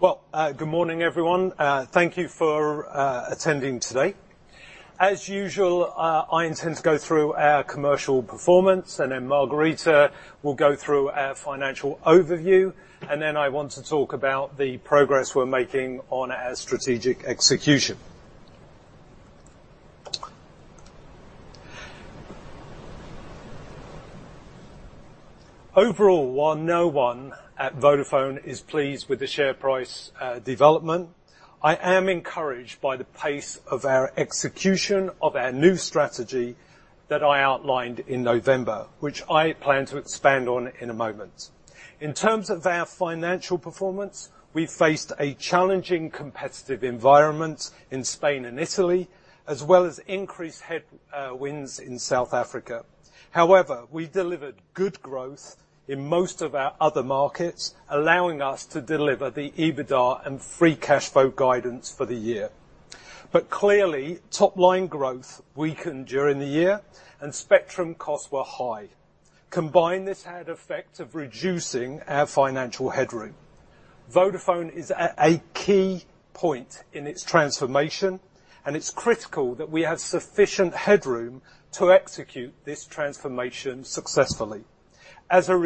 Good morning, everyone. Thank you for attending today. As usual, I intend to go through our commercial performance. Margherita will go through our financial overview. I want to talk about the progress we're making on our strategic execution. Overall, while no one at Vodafone is pleased with the share price development, I am encouraged by the pace of our execution of our new strategy that I outlined in November, which I plan to expand on in a moment. In terms of our financial performance, we've faced a challenging competitive environment in Spain and Italy, as well as increased headwinds in South Africa. However, we delivered good growth in most of our other markets, allowing us to deliver the EBITDA and free cash flow guidance for the year. Top-line growth weakened during the year, and spectrum costs were high. Combined, this had effect of reducing our financial headroom. Vodafone is at a key point in its transformation, and it's critical that we have sufficient headroom to execute this transformation successfully. As a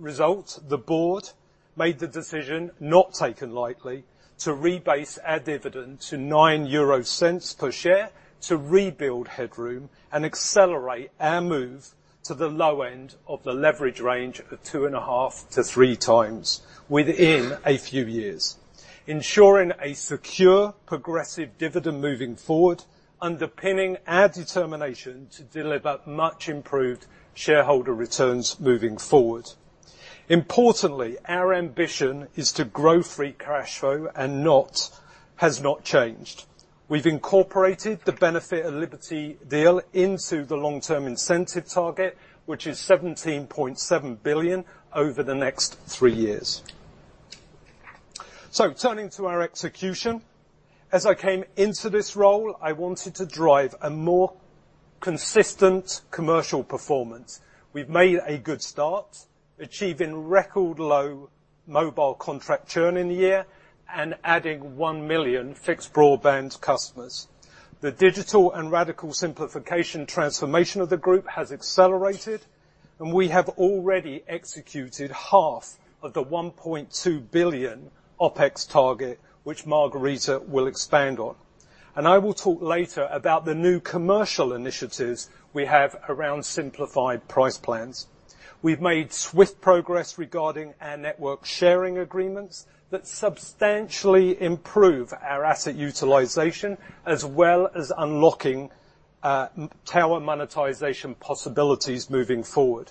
result, the board made the decision, not taken lightly, to rebase our dividend to 0.09 per share to rebuild headroom and accelerate our move to the low end of the leverage range of two and a half to three times within a few years, ensuring a secure, progressive dividend moving forward, underpinning our determination to deliver much improved shareholder returns moving forward. Importantly, our ambition is to grow free cash flow and has not changed. We've incorporated the benefit of Liberty deal into the long-term incentive target, which is 17.7 billion over the next three years. Turning to our execution. As I came into this role, I wanted to drive a more consistent commercial performance. We've made a good start, achieving record low mobile contract churn in the year and adding 1 million fixed broadband customers. The digital and radical simplification transformation of the group has accelerated. We have already executed half of the 1.2 billion OpEx target, which Margherita will expand on. I will talk later about the new commercial initiatives we have around simplified price plans. We've made swift progress regarding our network sharing agreements that substantially improve our asset utilization, as well as unlocking tower monetization possibilities moving forward.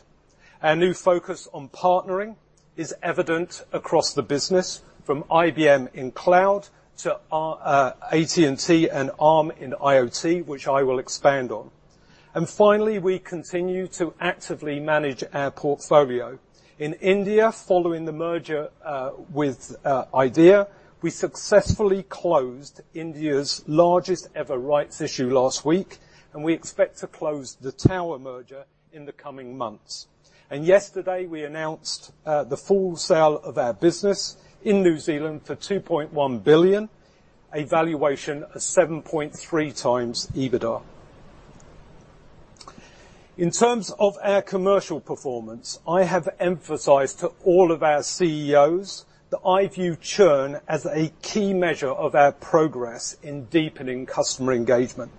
Our new focus on partnering is evident across the business from IBM in cloud to AT&T and Arm in IoT, which I will expand on. Finally, we continue to actively manage our portfolio. In India, following the merger with Idea, we successfully closed India's largest-ever rights issue last week. We expect to close the tower merger in the coming months. Yesterday, we announced the full sale of our business in New Zealand for 2.1 billion, a valuation of 7.3 times EBITDA. In terms of our commercial performance, I have emphasized to all of our CEOs that I view churn as a key measure of our progress in deepening customer engagement.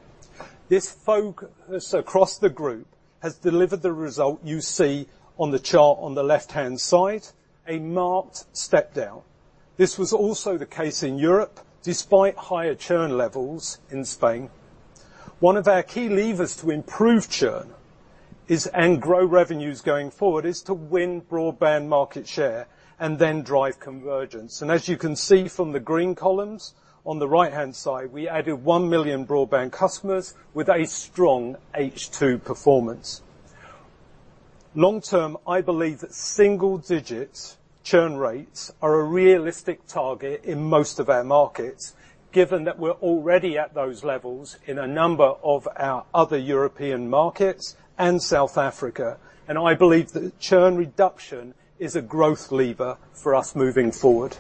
This focus across the group has delivered the result you see on the chart on the left-hand side, a marked step down. This was also the case in Europe, despite higher churn levels in Spain. One of our key levers to improve churn and grow revenues going forward is to win broadband market share and drive convergence. As you can see from the green columns on the right-hand side, we added 1 million broadband customers with a strong H2 performance. Long term, I believe that single-digit churn rates are a realistic target in most of our markets, given that we're already at those levels in a number of our other European markets and South Africa. I believe that churn reduction is a growth lever for us moving forward.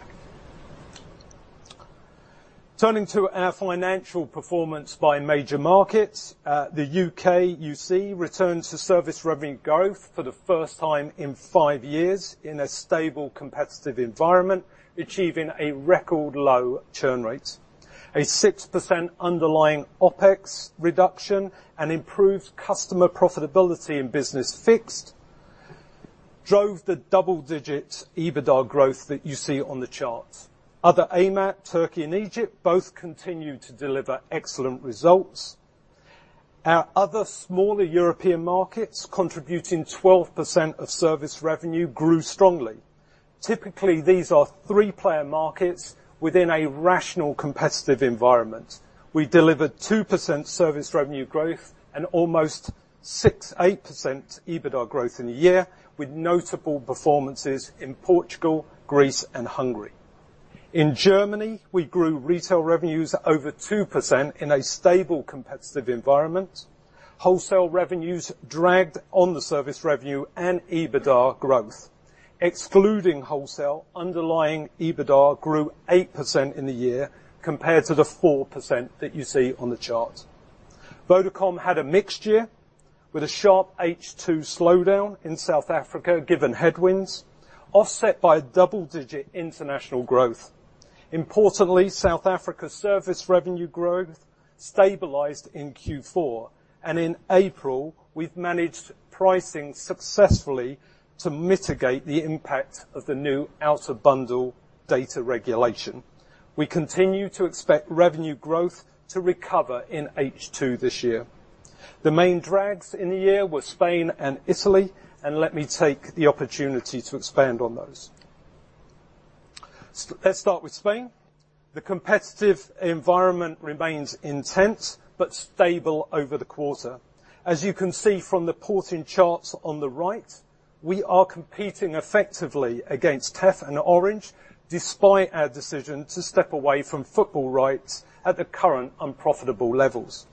Turning to our financial performance by major markets. The U.K., you see, returns to service revenue growth for the first time in 5 years in a stable, competitive environment, achieving a record low churn rate. A 6% underlying OpEx reduction and improved customer profitability in business fixed drove the double-digit EBITDA growth that you see on the charts. Other AMAP, Turkey, and Egypt both continue to deliver excellent results. Our other smaller European markets, contributing 12% of service revenue, grew strongly. Typically, these are three-player markets within a rational, competitive environment. We delivered 2% service revenue growth and almost 68% EBITDA growth in a year, with notable performances in Portugal, Greece, and Hungary. In Germany, we grew retail revenues over 2% in a stable competitive environment. Wholesale revenues dragged on the service revenue and EBITDA growth. Excluding wholesale, underlying EBITDA grew 8% in the year, compared to the 4% that you see on the chart. Vodacom had a mixed year, with a sharp H2 slowdown in South Africa, given headwinds, offset by double-digit international growth. Importantly, South Africa service revenue growth stabilized in Q4, and in April, we've managed pricing successfully to mitigate the impact of the new out-of-bundle data regulation. We continue to expect revenue growth to recover in H2 this year. The main drags in the year were Spain and Italy. Let me take the opportunity to expand on those. Let's start with Spain. The competitive environment remains intense but stable over the quarter. As you can see from the port-in charts on the right, we are competing effectively against Tef and Orange, despite our decision to step away from football rights at the current unprofitable levels.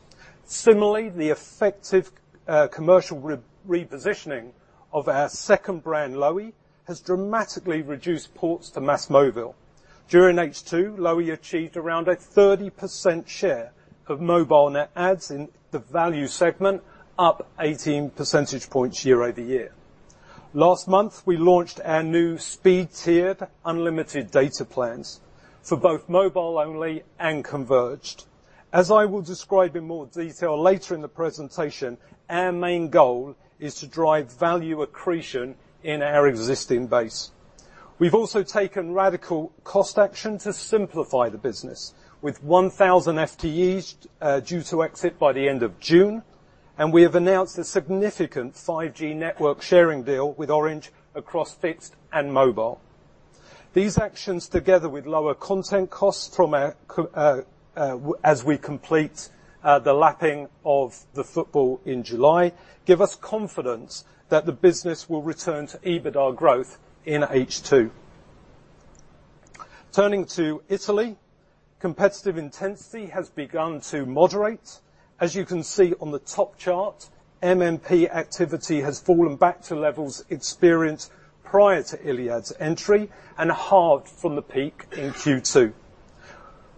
Similarly, the effective commercial repositioning of our second brand, Lowi, has dramatically reduced ports to MásMóvil. During H2, Lowi achieved around a 30% share of mobile net adds in the value segment, up 18 percentage points year-over-year. Last month, we launched our new speed-tiered unlimited data plans for both mobile only and converged. As I will describe in more detail later in the presentation, our main goal is to drive value accretion in our existing base. We've also taken radical cost action to simplify the business, with 1,000 FTEs due to exit by the end of June. We have announced a significant 5G network sharing deal with Orange across fixed and mobile. These actions, together with lower content costs as we complete the lapping of the football in July, give us confidence that the business will return to EBITDA growth in H2. Turning to Italy, competitive intensity has begun to moderate. As you can see on the top chart, MNP activity has fallen back to levels experienced prior to Iliad's entry and halved from the peak in Q2.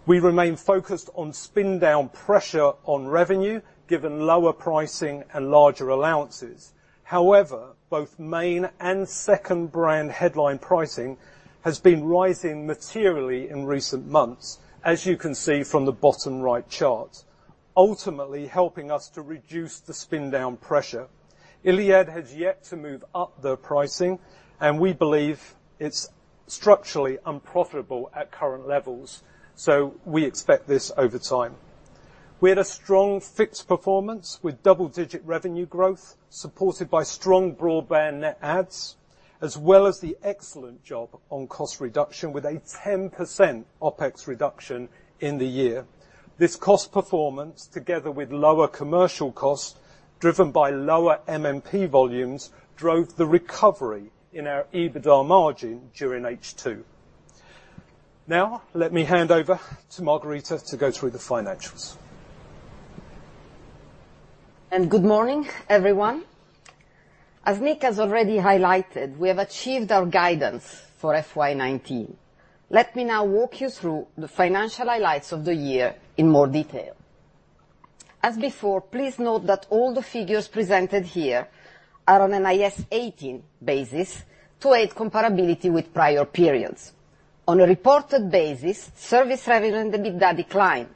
We remain focused on spin-down pressure on revenue, given lower pricing and larger allowances. However, both main and second-brand headline pricing has been rising materially in recent months, as you can see from the bottom right chart, ultimately helping us to reduce the spin-down pressure. Iliad has yet to move up their pricing. We believe it's structurally unprofitable at current levels. We expect this over time. We had a strong fixed performance with double-digit revenue growth, supported by strong broadband net adds, as well as the excellent job on cost reduction with a 10% OpEx reduction in the year. This cost performance, together with lower commercial costs, driven by lower MNP volumes, drove the recovery in our EBITDA margin during H2. Let me hand over to Margherita to go through the financials. Good morning, everyone. As Nick has already highlighted, we have achieved our guidance for FY 2019. Let me walk you through the financial highlights of the year in more detail. As before, please note that all the figures presented here are on an IAS 18 basis to aid comparability with prior periods. On a reported basis, service revenue and EBITDA declined.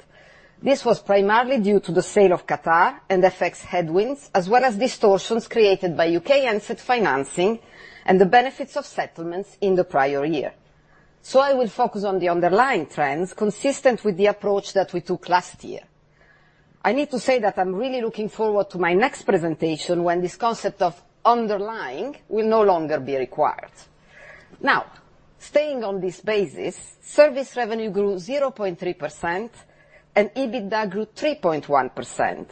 This was primarily due to the sale of Qatar and FX headwinds, as well as distortions created by U.K. handset financing and the benefits of settlements in the prior year. I will focus on the underlying trends consistent with the approach that we took last year. I need to say that I'm really looking forward to my next presentation when this concept of underlying will no longer be required. Staying on this basis, service revenue grew 0.3% and EBITDA grew 3.1%.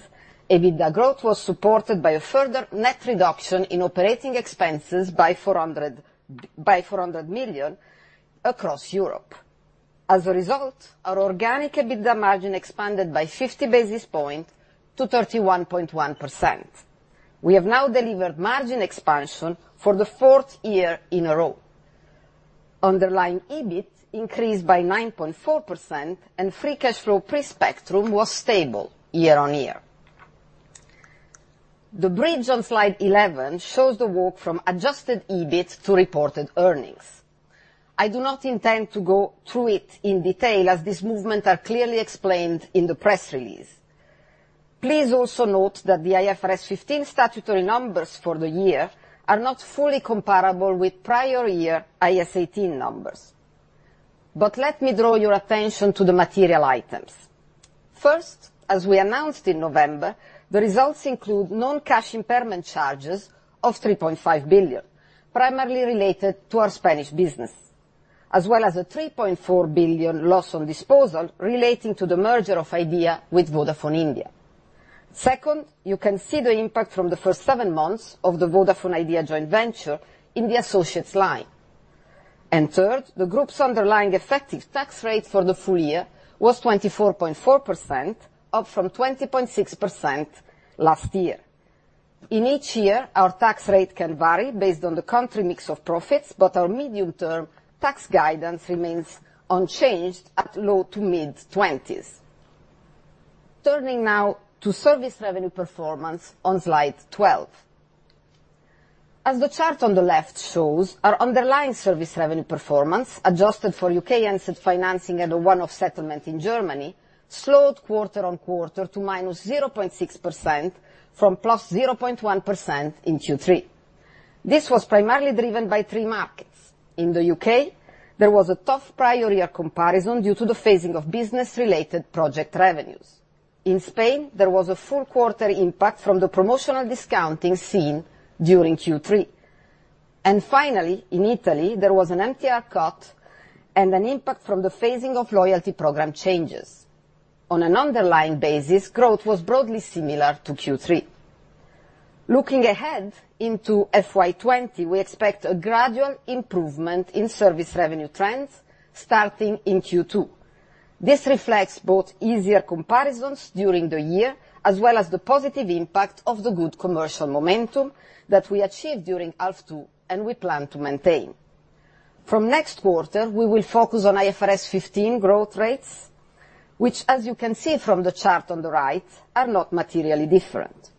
EBITDA growth was supported by a further net reduction in operating expenses by 400 million across Europe. As a result, our organic EBITDA margin expanded by 50 basis points to 31.1%. We have now delivered margin expansion for the fourth year in a row. Underlying EBIT increased by 9.4%, and free cash flow pre-spectrum was stable year-over-year. The bridge on slide 11 shows the work from adjusted EBIT to reported earnings. I do not intend to go through it in detail, as this movement are clearly explained in the press release. Please also note that the IFRS 15 statutory numbers for the year are not fully comparable with prior year IAS 18 numbers. Let me draw your attention to the material items. First, as we announced in November, the results include non-cash impairment charges of 3.5 billion, primarily related to our Spanish business, as well as a 3.4 billion loss on disposal relating to the merger of Idea with Vodafone India. Second, you can see the impact from the first seven months of the Vodafone Idea joint venture in the associates line. Third, the group's underlying effective tax rate for the full year was 24.4%, up from 20.6% last year. In each year, our tax rate can vary based on the country mix of profits. Our medium-term tax guidance remains unchanged at low to mid-20s. Turning to service revenue performance on slide 12. As the chart on the left shows, our underlying service revenue performance, adjusted for U.K. asset financing and a one-off settlement in Germany, slowed quarter-over-quarter to minus 0.6% from plus 0.1% in Q3. This was primarily driven by three markets. In the U.K., there was a tough prior year comparison due to the phasing of business-related project revenues. In Spain, there was a full quarter impact from the promotional discounting seen during Q3. Finally, in Italy, there was an MTR cut and an impact from the phasing of loyalty program changes. On an underlying basis, growth was broadly similar to Q3. Looking ahead into FY20, we expect a gradual improvement in service revenue trends starting in Q2. This reflects both easier comparisons during the year as well as the positive impact of the good commercial momentum that we achieved during H2 and we plan to maintain. From next quarter, we will focus on IFRS 15 growth rates, which as you can see from the chart on the right, are not materially different.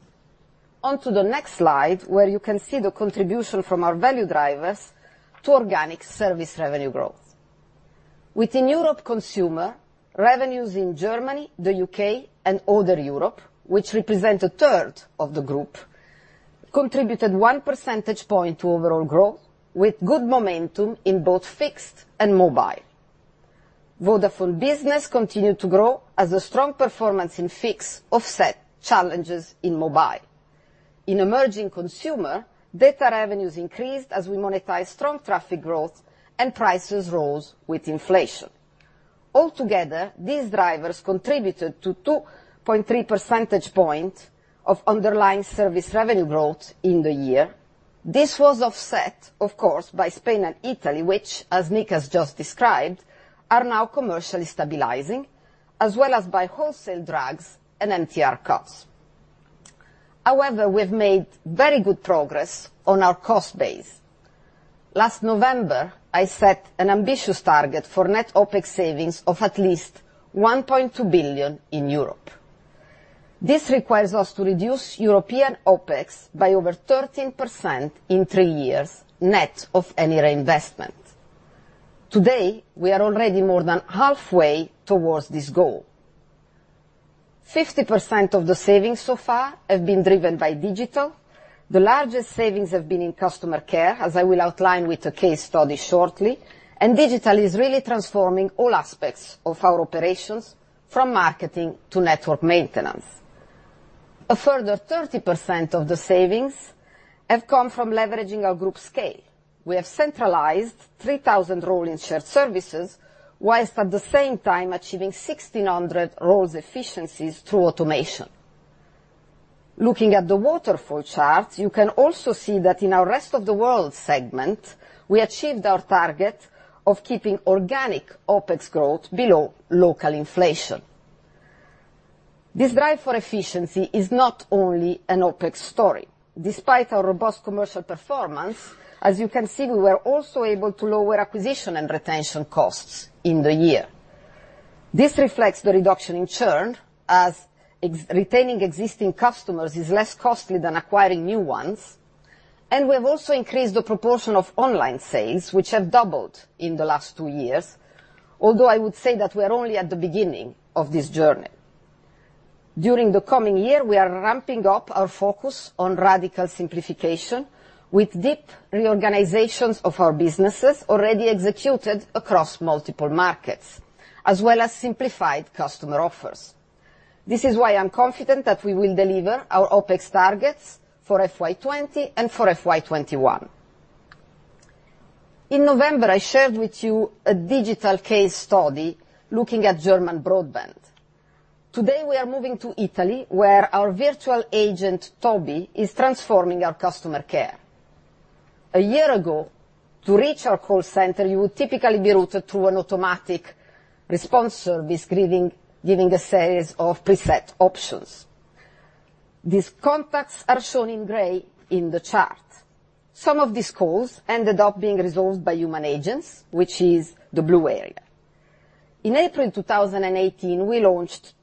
Onto the next slide, where you can see the contribution from our value drivers to organic service revenue growth. Within Europe Consumer, revenues in Germany, the U.K., and other Europe, which represent one-third of the group, contributed one percentage point to overall growth with good momentum in both fixed and mobile. Vodafone Business continued to grow as a strong performance in fixed offset challenges in mobile. In Emerging Consumer, data revenues increased as we monetize strong traffic growth and prices rose with inflation. Altogether, these drivers contributed to 2.3 percentage points of underlying service revenue growth in the year. This was offset, of course, by Spain and Italy, which as Nick has just described, are now commercially stabilizing as well as by wholesale drags and MTR cuts. However, we have made very good progress on our cost base. Last November, I set an ambitious target for net OpEx savings of at least 1.2 billion in Europe. This requires us to reduce European OpEx by over 13% in three years, net of any reinvestment. Today, we are already more than halfway towards this goal. 50% of the savings so far have been driven by digital. The largest savings have been in customer care, as I will outline with a case study shortly, and digital is really transforming all aspects of our operations from marketing to network maintenance. A further 30% of the savings have come from leveraging our group scale. We have centralized 3,000 roles in shared services, whilst at the same time achieving 1,600 roles efficiencies through automation. Looking at the waterfall chart, you can also see that in our Rest of the World segment, we achieved our target of keeping organic OpEx growth below local inflation. This drive for efficiency is not only an OpEx story. Despite our robust commercial performance, as you can see, we were also able to lower acquisition and retention costs in the year. This reflects the reduction in churn, as retaining existing customers is less costly than acquiring new ones. We have also increased the proportion of online sales, which have doubled in the last two years, although I would say that we are only at the beginning of this journey. During the coming year, we are ramping up our focus on radical simplification with deep reorganizations of our businesses already executed across multiple markets, as well as simplified customer offers. This is why I'm confident that we will deliver our OpEx targets for FY20 and for FY21. In November, I shared with you a digital case study looking at German broadband. Today, we are moving to Italy, where our virtual agent, TOBi, is transforming our customer care. A year ago, to reach our call center, you would typically be routed through an automatic response service giving a series of preset options. These contacts are shown in gray in the chart. Some of these calls ended up being resolved by human agents, which is the blue area. In April 2018, we launched TOBi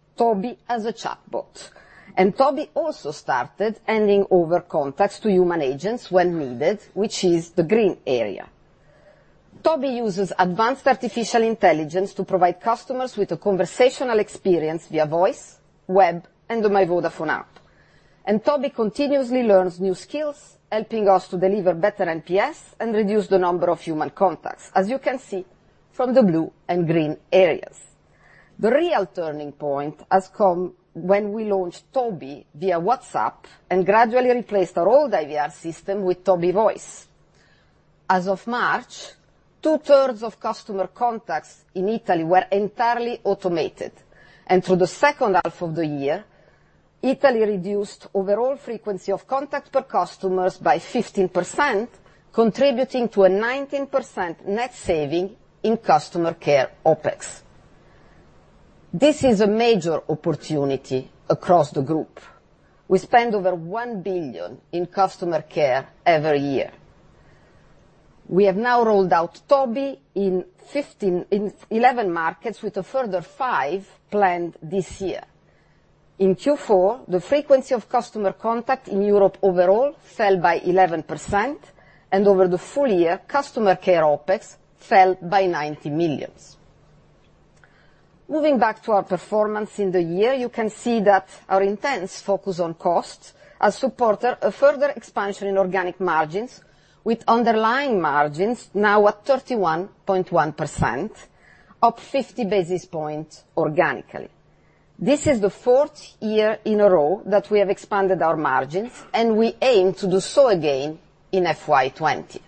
as a chatbot, and TOBi also started handing over contacts to human agents when needed, which is the green area. TOBi uses advanced artificial intelligence to provide customers with a conversational experience via voice, web, and the My Vodafone app. TOBi continuously learns new skills, helping us to deliver better NPS and reduce the number of human contacts, as you can see from the blue and green areas. The real turning point has come when we launched TOBi via WhatsApp and gradually replaced our old IVR system with TOBi Voice. As of March, two-thirds of customer contacts in Italy were entirely automated, and through the second half of the year, Italy reduced overall frequency of contact per customers by 15%, contributing to a 19% net saving in customer care OpEx. This is a major opportunity across the group. We spend over 1 billion in customer care every year. We have now rolled out TOBi in 11 markets, with a further five planned this year. In Q4, the frequency of customer contact in Europe overall fell by 11%, and over the full year, customer care OpEx fell by 90 million. Moving back to our performance in the year, you can see that our intense focus on costs has supported a further expansion in organic margins, with underlying margins now at 31.1%, up 50 basis points organically. This is the fourth year in a row that we have expanded our margins, and we aim to do so again in FY 2020.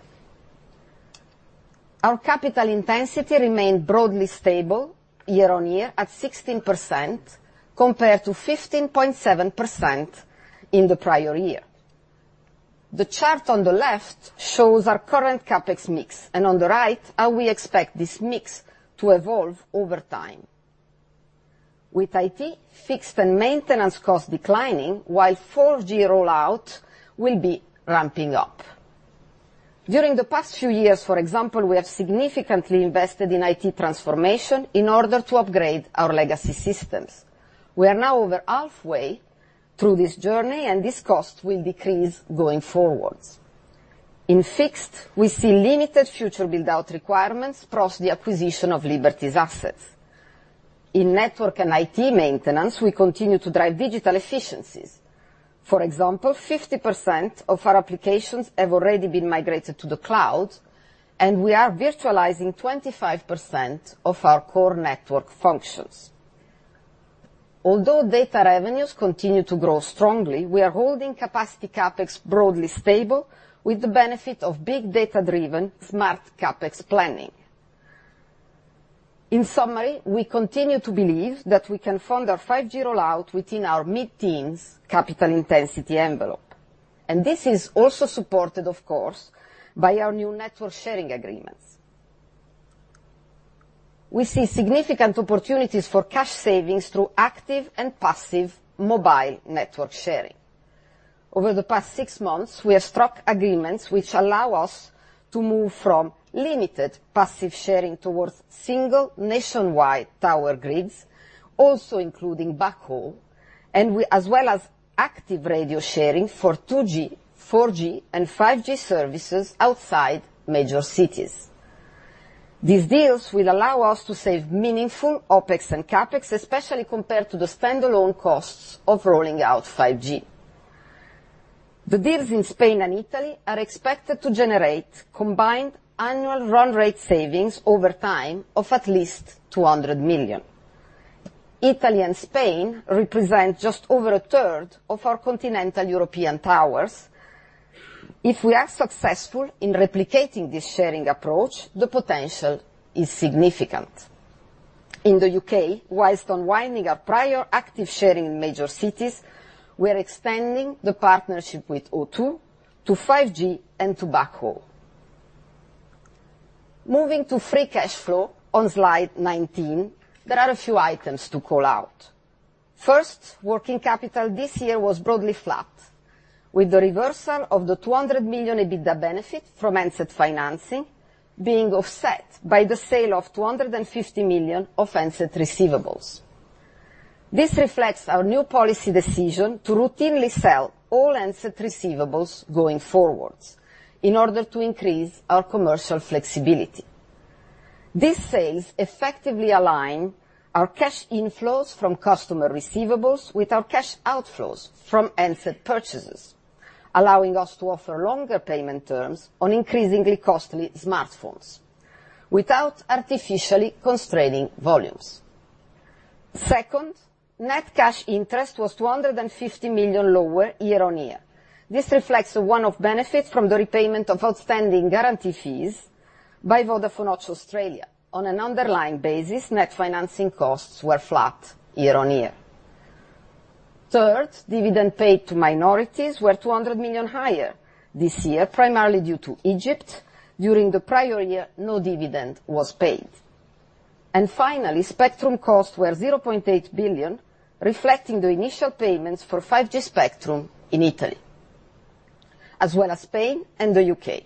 Our capital intensity remained broadly stable year-on-year at 16%, compared to 15.7% in the prior year. The chart on the left shows our current CapEx mix, and on the right, how we expect this mix to evolve over time, with IT fixed and maintenance costs declining while 4G rollout will be ramping up. During the past few years, for example, we have significantly invested in IT transformation in order to upgrade our legacy systems. We are now over halfway through this journey and this cost will decrease going forwards. In fixed, we see limited future build-out requirements plus the acquisition of Liberty's assets. In network and IT maintenance, we continue to drive digital efficiencies. For example, 50% of our applications have already been migrated to the cloud, and we are virtualizing 25% of our core network functions. Although data revenues continue to grow strongly, we are holding capacity CapEx broadly stable with the benefit of big data-driven smart CapEx planning. In summary, we continue to believe that we can fund our 5G rollout within our mid-teens capital intensity envelope, and this is also supported, of course, by our new network sharing agreements. We see significant opportunities for cash savings through active and passive mobile network sharing. Over the past six months, we have struck agreements which allow us to move from limited passive sharing towards single nationwide tower grids, also including backhaul, as well as active radio sharing for 2G, 4G, and 5G services outside major cities. These deals will allow us to save meaningful OpEx and CapEx, especially compared to the standalone costs of rolling out 5G. The deals in Spain and Italy are expected to generate combined annual run rate savings over time of at least 200 million. Italy and Spain represent just over a third of our continental European towers. If we are successful in replicating this sharing approach, the potential is significant. In the U.K., whilst unwinding our prior active sharing in major cities, we are expanding the partnership with O2 to 5G and to backhaul. Moving to free cash flow on slide 19, there are a few items to call out. First, working capital this year was broadly flat, with the reversal of the 200 million EBITDA benefit from asset financing being offset by the sale of 250 million of asset receivables. This reflects our new policy decision to routinely sell all asset receivables going forwards in order to increase our commercial flexibility. These sales effectively align our cash inflows from customer receivables with our cash outflows from asset purchases, allowing us to offer longer payment terms on increasingly costly smartphones without artificially constraining volumes. Second, net cash interest was 250 million lower year-on-year. This reflects a one-off benefit from the repayment of outstanding guarantee fees by Vodafone Hutchison Australia. On an underlying basis, net financing costs were flat year-on-year. Third, dividend paid to minorities were 200 million higher this year, primarily due to Egypt. During the prior year, no dividend was paid. Finally, spectrum costs were 0.8 billion, reflecting the initial payments for 5G spectrum in Italy, as well as Spain and the U.K.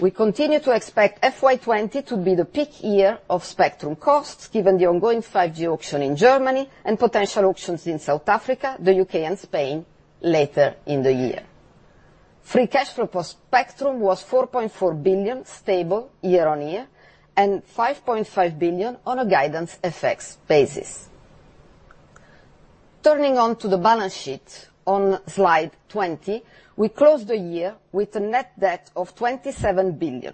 We continue to expect FY 2020 to be the peak year of spectrum costs given the ongoing 5G auction in Germany and potential auctions in South Africa, the U.K., and Spain later in the year. Free cash flow for spectrum was 4.4 billion, stable year-on-year, and 5.5 billion on a guidance FX basis. Turning onto the balance sheet on slide 20, we closed the year with a net debt of 27 billion.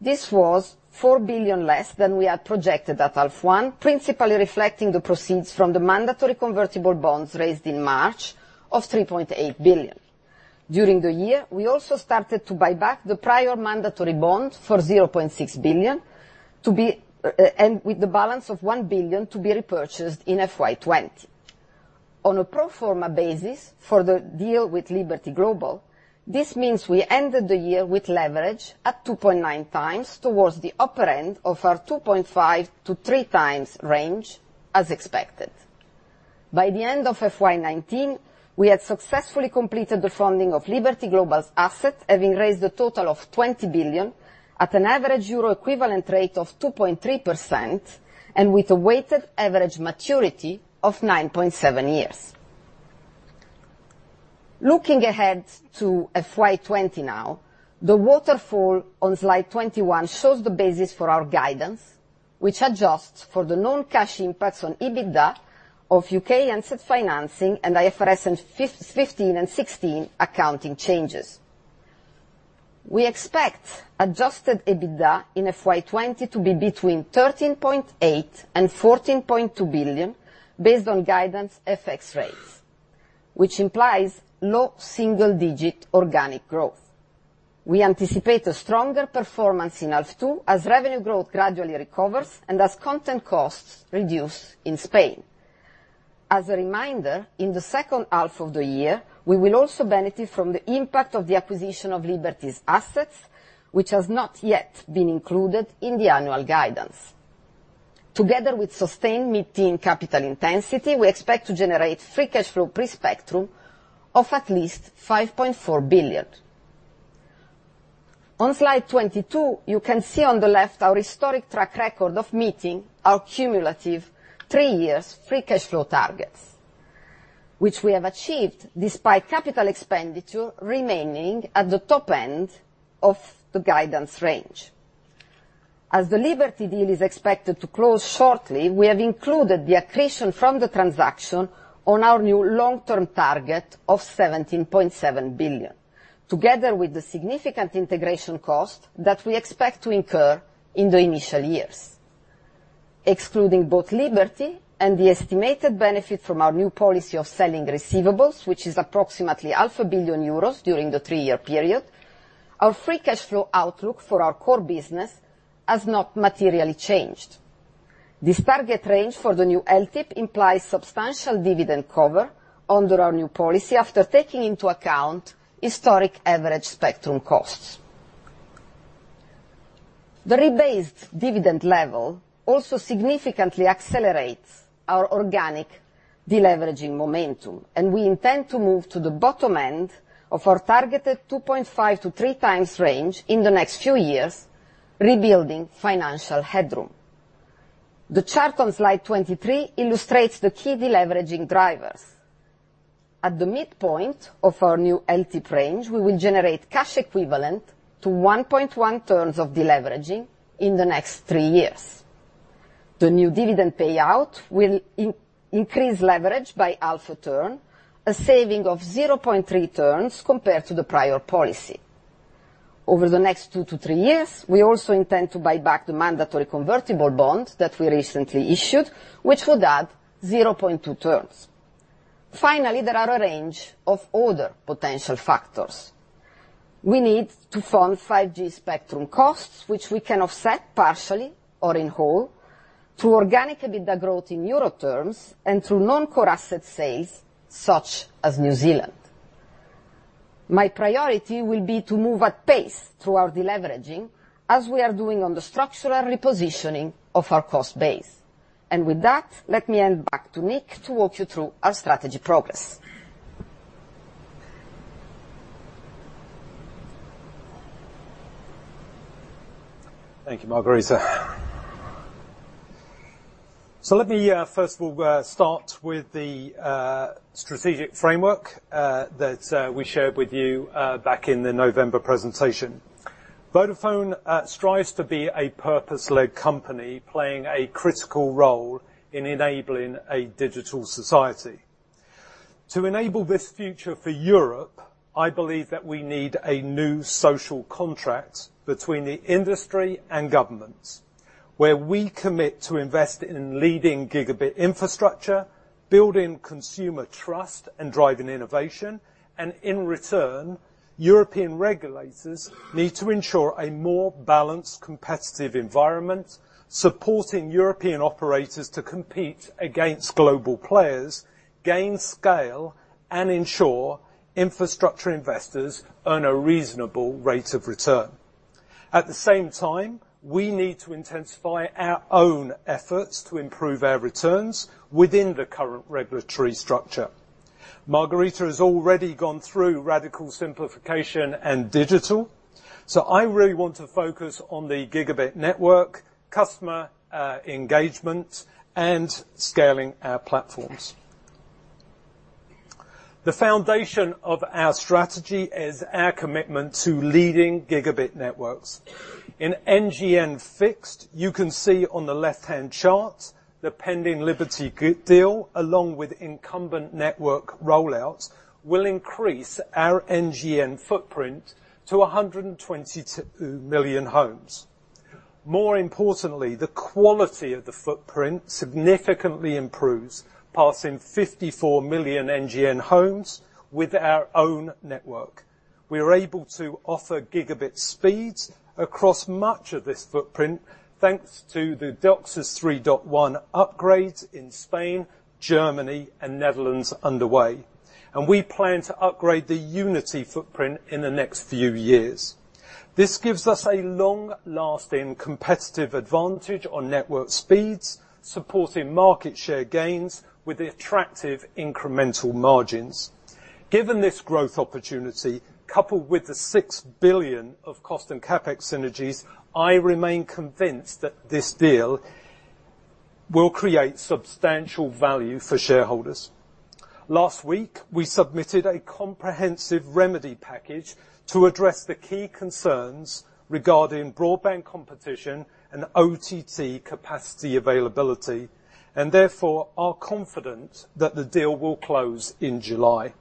This was 4 billion less than we had projected at half one, principally reflecting the proceeds from the mandatory convertible bonds raised in March of 3.8 billion. During the year, we also started to buy back the prior mandatory bond for 0.6 billion, and with the balance of 1 billion to be repurchased in FY 2020. On a pro forma basis for the deal with Liberty Global, this means we ended the year with leverage at 2.9 times towards the upper end of our 2.5-3 times range as expected. By the end of FY 2019, we had successfully completed the funding of Liberty Global's asset, having raised a total of 20 billion at an average Euro equivalent rate of 2.3%, and with a weighted average maturity of 9.7 years. Looking ahead to FY 2020 now, the waterfall on slide 21 shows the basis for our guidance, which adjusts for the non-cash impacts on EBITDA of U.K. asset financing and IFRS 15 and 16 accounting changes. We expect adjusted EBITDA in FY 2020 to be between 13.8 billion and 14.2 billion, based on guidance FX rates, which implies low single-digit organic growth. We anticipate a stronger performance in half two as revenue growth gradually recovers and as content costs reduce in Spain. As a reminder, in the second half of the year, we will also benefit from the impact of the acquisition of Liberty's assets, which has not yet been included in the annual guidance. Together with sustained mid-teen capital intensity, we expect to generate free cash flow pre-spectrum of at least 5.4 billion. On slide 22, you can see on the left our historic track record of meeting our cumulative three years free cash flow targets, which we have achieved despite capital expenditure remaining at the top end of the guidance range. As the Liberty deal is expected to close shortly, we have included the accretion from the transaction on our new long-term target of 17.7 billion, together with the significant integration cost that we expect to incur in the initial years. Excluding both Liberty and the estimated benefit from our new policy of selling receivables, which is approximately half a billion euros during the three-year period, our free cash flow outlook for our core business has not materially changed. This target range for the new LTIP implies substantial dividend cover under our new policy after taking into account historic average spectrum costs. The rebased dividend level also significantly accelerates our organic deleveraging momentum. We intend to move to the bottom end of our targeted 2.5-3 times range in the next few years, rebuilding financial headroom. The chart on slide 23 illustrates the key deleveraging drivers. At the midpoint of our new LTIP range, we will generate cash equivalent to 1.1 turns of deleveraging in the next three years. The new dividend payout will increase leverage by half a turn, a saving of 0.3 turns compared to the prior policy. Over the next 2-3 years, we also intend to buy back the mandatory convertible bond that we recently issued, which will add 0.2 turns. Finally, there are a range of other potential factors. We need to fund 5G spectrum costs, which we can offset partially or in whole through organic EBITDA growth in EUR terms and through non-core asset sales such as New Zealand. My priority will be to move at pace through our deleveraging as we are doing on the structural repositioning of our cost base. With that, let me hand back to Nick to walk you through our strategy progress. Thank you, Margherita. Let me, first of all, start with the strategic framework that we shared with you back in the November presentation. Vodafone strives to be a purpose-led company playing a critical role in enabling a digital society. To enable this future for Europe, I believe that we need a new social contract between the industry and governments, where we commit to invest in leading gigabit infrastructure, building consumer trust, and driving innovation, and in return, European regulators need to ensure a more balanced, competitive environment, supporting European operators to compete against global players, gain scale, and ensure infrastructure investors earn a reasonable rate of return. At the same time, we need to intensify our own efforts to improve our returns within the current regulatory structure. Margherita has already gone through radical simplification and digital. I really want to focus on the gigabit network, customer engagement, and scaling our platforms. The foundation of our strategy is our commitment to leading gigabit networks. In NGN Fixed, you can see on the left-hand chart, the pending Liberty deal, along with incumbent network rollouts, will increase our NGN footprint to 122 million homes. More importantly, the quality of the footprint significantly improves, passing 54 million NGN homes with our own network. We are able to offer gigabit speeds across much of this footprint thanks to the DOCSIS 3.1 upgrades in Spain, Germany, and Netherlands underway. We plan to upgrade the Unity footprint in the next few years. This gives us a long-lasting competitive advantage on network speeds, supporting market share gains with attractive incremental margins. Given this growth opportunity, coupled with the six billion of cost and CapEx synergies, I remain convinced that this deal will create substantial value for shareholders. Last week, we submitted a comprehensive remedy package to address the key concerns regarding broadband competition and OTT capacity availability. Therefore, we are confident that the deal will close in July.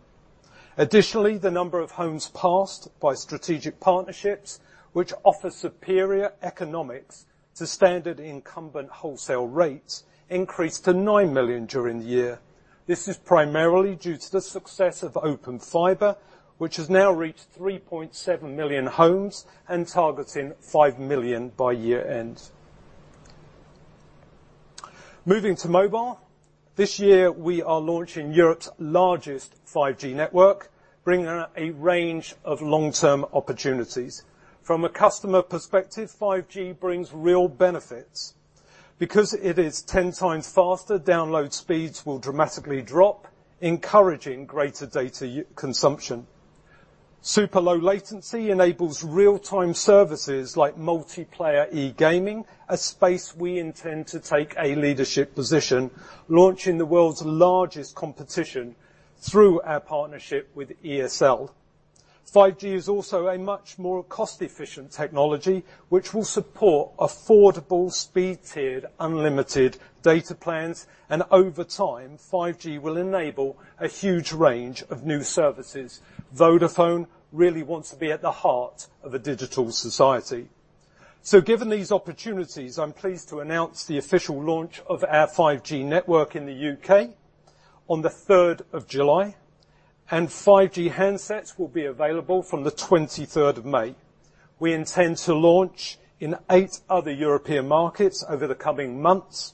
Additionally, the number of homes passed by strategic partnerships, which offer superior economics to standard incumbent wholesale rates, increased to nine million during the year. This is primarily due to the success of Open Fiber, which has now reached 3.7 million homes and targeting five million by year-end. Moving to mobile. This year, we are launching Europe's largest 5G network, bringing a range of long-term opportunities. From a customer perspective, 5G brings real benefits. Because it is 10 times faster, download speeds will dramatically drop, encouraging greater data consumption. Super low latency enables real-time services like multiplayer e-gaming, a space we intend to take a leadership position, launching the world's largest competition through our partnership with ESL. 5G is also a much more cost-efficient technology, which will support affordable speed-tiered, unlimited data plans. Over time, 5G will enable a huge range of new services. Vodafone really wants to be at the heart of a digital society. Given these opportunities, I'm pleased to announce the official launch of our 5G network in the U.K. on the 3rd of July, and 5G handsets will be available from the 23rd of May. We intend to launch in eight other European markets over the coming months,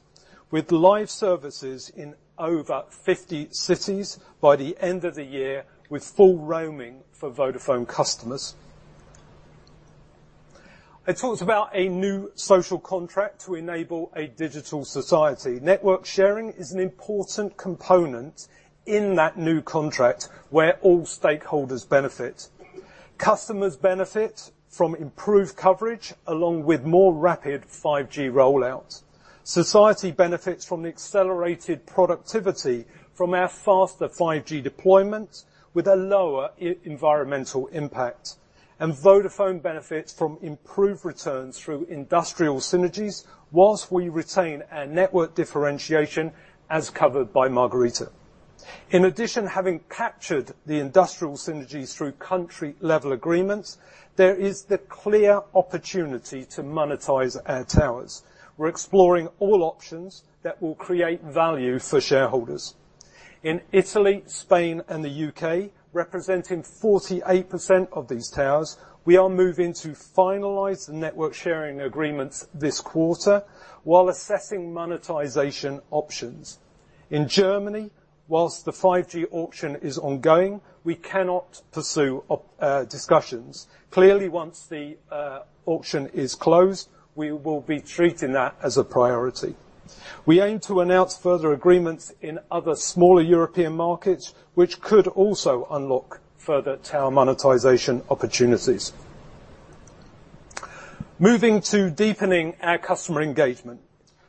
with live services in over 50 cities by the end of the year, with full roaming for Vodafone customers. I talked about a new social contract to enable a digital society. Network sharing is an important component in that new contract where all stakeholders benefit. Customers benefit from improved coverage along with more rapid 5G roll-outs. Society benefits from the accelerated productivity from our faster 5G deployment with a lower environmental impact. Vodafone benefits from improved returns through industrial synergies whilst we retain our network differentiation, as covered by Margherita. In addition, having captured the industrial synergies through country-level agreements, there is the clear opportunity to monetize our towers. We're exploring all options that will create value for shareholders. In Italy, Spain, and the U.K., representing 48% of these towers, we are moving to finalize the network sharing agreements this quarter while assessing monetization options. In Germany, whilst the 5G auction is ongoing, we cannot pursue discussions. Clearly, once the auction is closed, we will be treating that as a priority. We aim to announce further agreements in other smaller European markets, which could also unlock further tower monetization opportunities. Moving to deepening our customer engagement,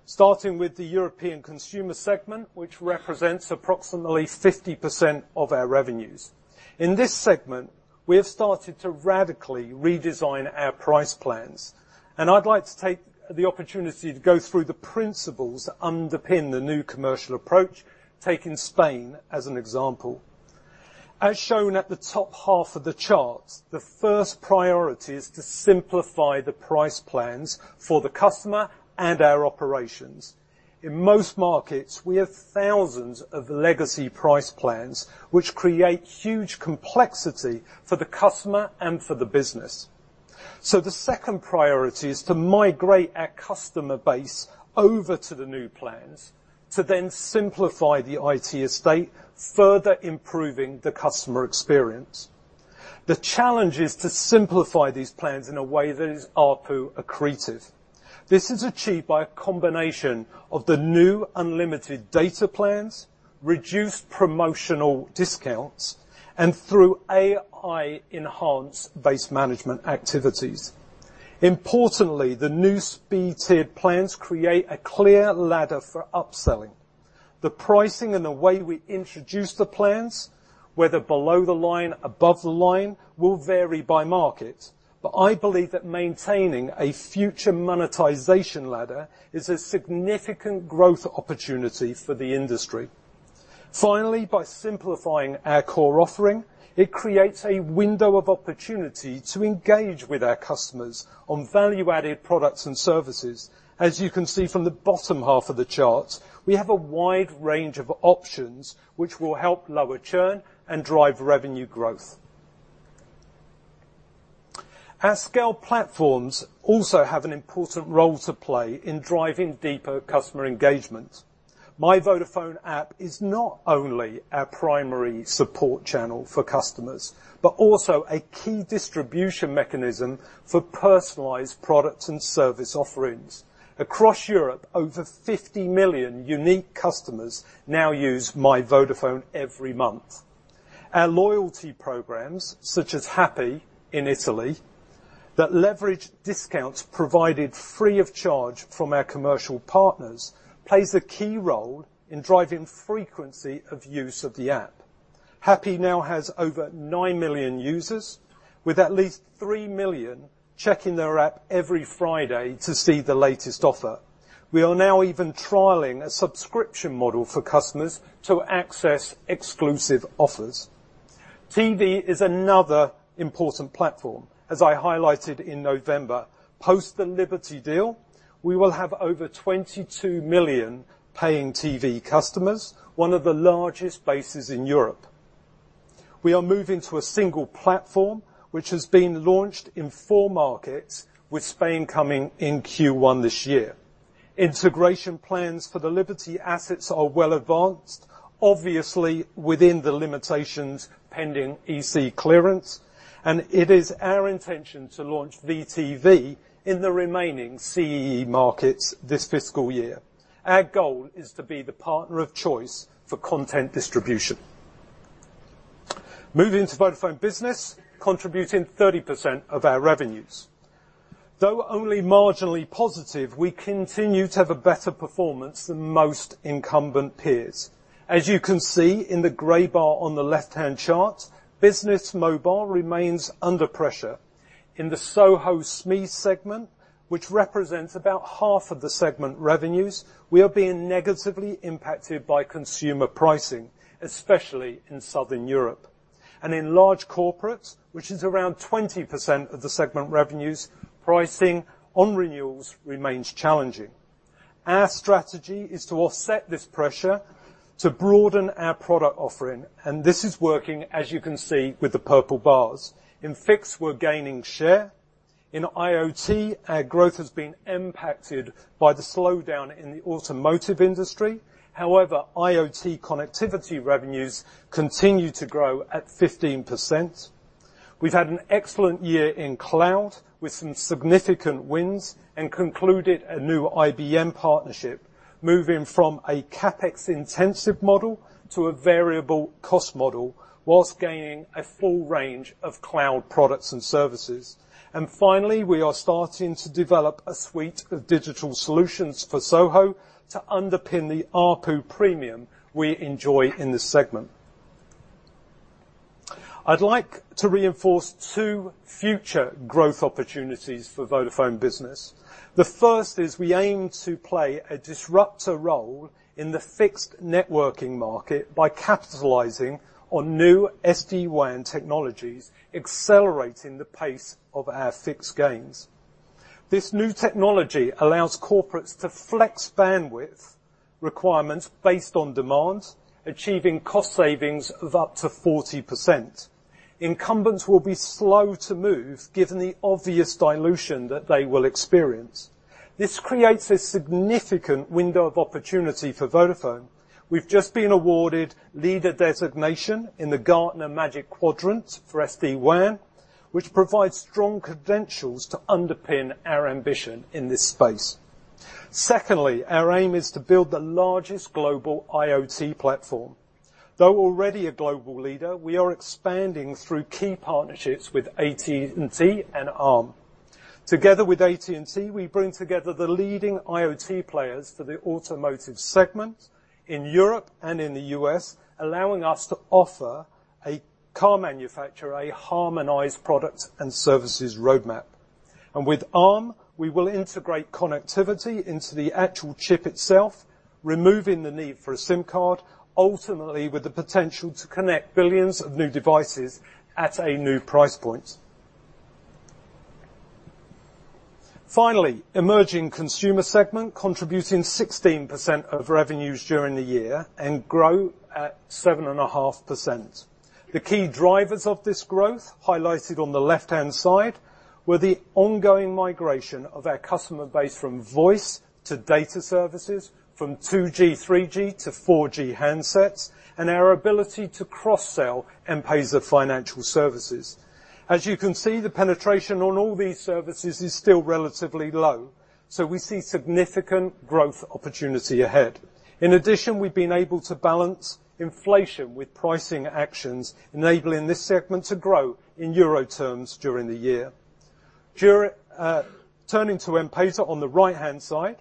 starting with the European consumer segment, which represents approximately 50% of our revenues. In this segment, we have started to radically redesign our price plans, I'd like to take the opportunity to go through the principles that underpin the new commercial approach, taking Spain as an example. As shown at the top half of the chart, the first priority is to simplify the price plans for the customer and our operations. In most markets, we have thousands of legacy price plans, which create huge complexity for the customer and for the business. The second priority is to migrate our customer base over to the new plans to then simplify the IT estate, further improving the customer experience. The challenge is to simplify these plans in a way that is ARPU accretive. This is achieved by a combination of the new unlimited data plans, reduced promotional discounts, and through AI-enhanced base management activities. Importantly, the new speed-tiered plans create a clear ladder for upselling. The pricing and the way we introduce the plans, whether below the line, above the line, will vary by market. I believe that maintaining a future monetization ladder is a significant growth opportunity for the industry. Finally, by simplifying our core offering, it creates a window of opportunity to engage with our customers on value-added products and services. As you can see from the bottom half of the chart, we have a wide range of options which will help lower churn and drive revenue growth. Our scale platforms also have an important role to play in driving deeper customer engagement. My Vodafone app is not only our primary support channel for customers, but also a key distribution mechanism for personalized product and service offerings. Across Europe, over 50 million unique customers now use My Vodafone every month. Our loyalty programs, such as Happy in Italy, that leverage discounts provided free of charge from our commercial partners, plays a key role in driving frequency of use of the app. Happy now has over nine million users, with at least three million checking their app every Friday to see the latest offer. We are now even trialing a subscription model for customers to access exclusive offers. TV is another important platform. As I highlighted in November, post the Liberty deal, we will have over 22 million paying TV customers, one of the largest bases in Europe. We are moving to a single platform, which has been launched in four markets, with Spain coming in Q1 this year. Integration plans for the Liberty assets are well advanced, obviously within the limitations pending EC clearance, and it is our intention to launch Vodafone TV in the remaining CEE markets this fiscal year. Our goal is to be the partner of choice for content distribution. Moving to Vodafone Business, contributing 30% of our revenues. Though only marginally positive, we continue to have a better performance than most incumbent peers. As you can see in the gray bar on the left-hand chart, business mobile remains under pressure. In the SOHO SME segment, which represents about half of the segment revenues, we are being negatively impacted by consumer pricing, especially in Southern Europe. In large corporates, which is around 20% of the segment revenues, pricing on renewals remains challenging. Our strategy is to offset this pressure to broaden our product offering, and this is working, as you can see with the purple bars. In fixed, we're gaining share. In IoT, our growth has been impacted by the slowdown in the automotive industry. However, IoT connectivity revenues continue to grow at 15%. We've had an excellent year in cloud with some significant wins and concluded a new IBM partnership, moving from a CapEx-intensive model to a variable cost model, whilst gaining a full range of cloud products and services. Finally, we are starting to develop a suite of digital solutions for SOHO to underpin the ARPU premium we enjoy in this segment. I'd like to reinforce two future growth opportunities for Vodafone Business. The first is we aim to play a disruptor role in the fixed networking market by capitalizing on new SD-WAN technologies, accelerating the pace of our fixed gains. This new technology allows corporates to flex bandwidth requirements based on demand, achieving cost savings of up to 40%. Incumbents will be slow to move given the obvious dilution that they will experience. This creates a significant window of opportunity for Vodafone. We've just been awarded leader designation in the Gartner Magic Quadrant for SD-WAN, which provides strong credentials to underpin our ambition in this space. Secondly, our aim is to build the largest global IoT platform. Though already a global leader, we are expanding through key partnerships with AT&T and Arm. Together with AT&T, we bring together the leading IoT players for the automotive segment in Europe and in the U.S., allowing us to offer a car manufacturer a harmonized product and services roadmap. With Arm, we will integrate connectivity into the actual chip itself, removing the need for a SIM card, ultimately with the potential to connect billions of new devices at a new price point. Finally, emerging consumer segment contributing 16% of revenues during the year and grow at 7.5%. The key drivers of this growth, highlighted on the left-hand side, were the ongoing migration of our customer base from voice to data services, from 2G, 3G to 4G handsets, and our ability to cross-sell M-Pesa financial services. As you can see, the penetration on all these services is still relatively low, we see significant growth opportunity ahead. In addition, we've been able to balance inflation with pricing actions, enabling this segment to grow in EUR terms during the year. Turning to M-Pesa on the right-hand side,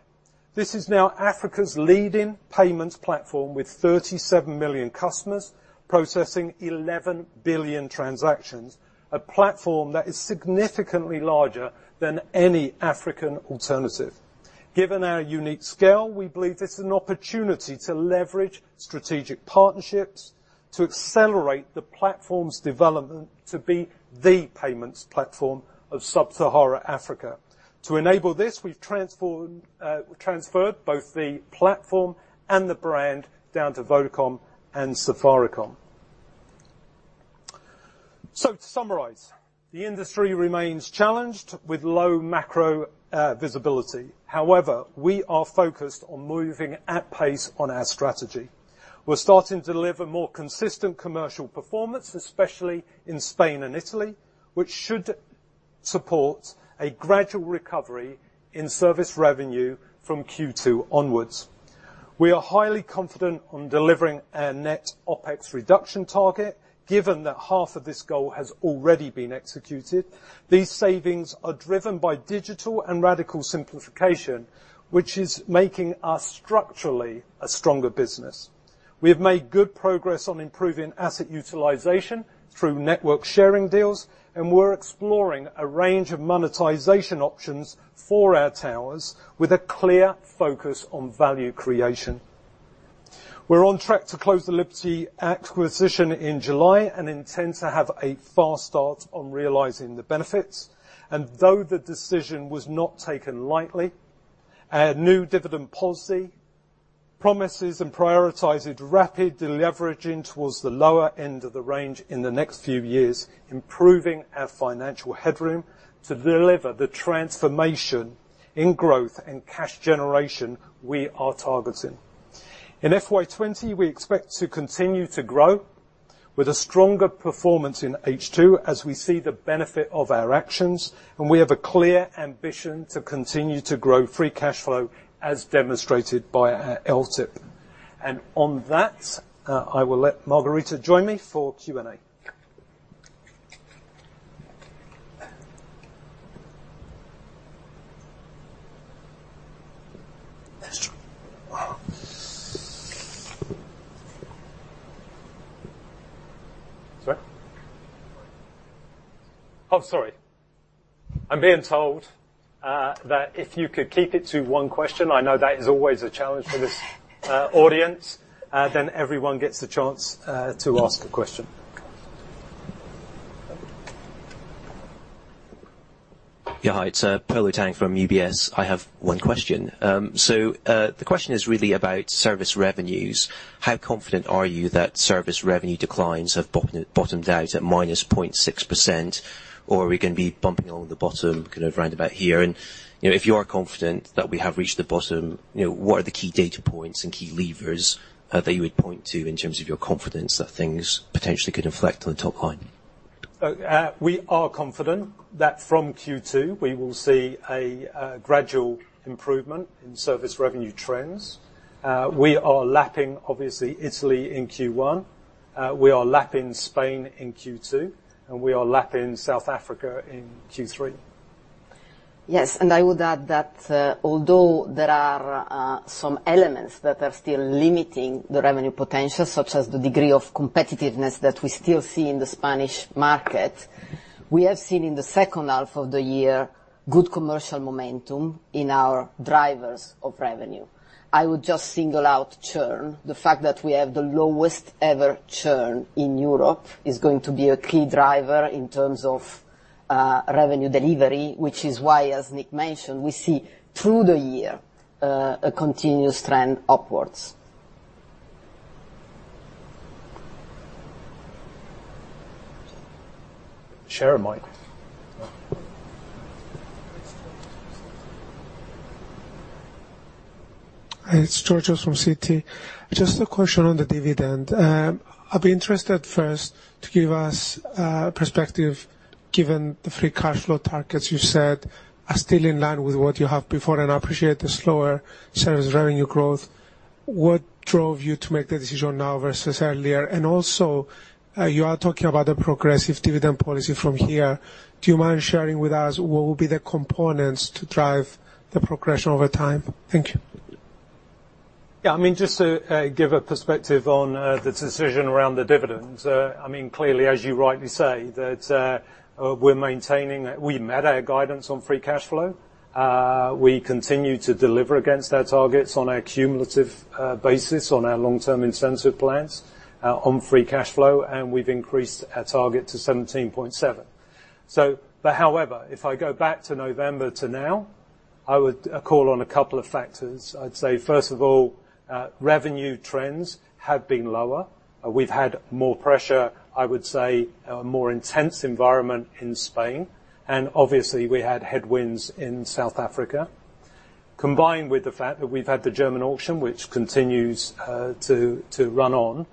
this is now Africa's leading payments platform with 37 million customers, processing 11 billion transactions, a platform that is significantly larger than any African alternative. Given our unique scale, we believe this is an opportunity to leverage strategic partnerships to accelerate the platform's development to be the payments platform of sub-Saharan Africa. To enable this, we've transferred both the platform and the brand down to Vodacom and Safaricom. To summarize, the industry remains challenged with low macro visibility. However, we are focused on moving at pace on our strategy. We're starting to deliver more consistent commercial performance, especially in Spain and Italy, which should support a gradual recovery in service revenue from Q2 onwards. We are highly confident on delivering our net OpEx reduction target, given that half of this goal has already been executed. These savings are driven by digital and radical simplification, which is making us structurally a stronger business. We have made good progress on improving asset utilization through network sharing deals, and we're exploring a range of monetization options for our towers with a clear focus on value creation. We're on track to close the Liberty acquisition in July and intend to have a fast start on realizing the benefits. Though the decision was not taken lightly, our new dividend policy promises and prioritizes rapid deleveraging towards the lower end of the range in the next few years, improving our financial headroom to deliver the transformation in growth and cash generation we are targeting. In FY 2020, we expect to continue to grow with a stronger performance in H2 as we see the benefit of our actions, and we have a clear ambition to continue to grow free cash flow as demonstrated by our LTIP. On that, I will let Margherita join me for Q&A. Sorry? Oh, sorry. I'm being told that if you could keep it to one question, I know that is always a challenge for this audience, then everyone gets the chance to ask a question. Yeah, hi. It's Polo Tang from UBS. I have one question. The question is really about service revenues. How confident are you that service revenue declines have bottomed out at minus 0.6%? Are we going to be bumping along the bottom kind of around about here? If you are confident that we have reached the bottom, what are the key data points and key levers that you would point to in terms of your confidence that things potentially could inflect on the top line? We are confident that from Q2 we will see a gradual improvement in service revenue trends. We are lapping, obviously, Italy in Q1. We are lapping Spain in Q2, and we are lapping South Africa in Q3. Yes, I would add that although there are some elements that are still limiting the revenue potential, such as the degree of competitiveness that we still see in the Spanish market, we have seen in the second half of the year, good commercial momentum in our drivers of revenue. I would just single out churn. The fact that we have the lowest-ever churn in Europe is going to be a key driver in terms of revenue delivery, which is why, as Nick mentioned, we see through the year a continuous trend upwards. Share a mic. Hi, it's Georgios from Citi. Just a question on the dividend. I'd be interested first to give us a perspective, given the free cash flow targets you said are still in line with what you have before, and I appreciate the slower service revenue growth. What drove you to make the decision now versus earlier? Also, you are talking about the progressive dividend policy from here. Do you mind sharing with us what will be the components to drive the progression over time? Thank you. Just to give a perspective on the decision around the dividend. As you rightly say, we met our guidance on free cash flow. We continue to deliver against our targets on a cumulative basis on our long-term incentive plans on free cash flow, and we've increased our target to 17.7. If I go back to November to now, I would call on a couple of factors. First of all, revenue trends have been lower. We've had more pressure, a more intense environment in Spain, and obviously, we had headwinds in South Africa. Combined with the fact that we've had the German auction, which continues to run on,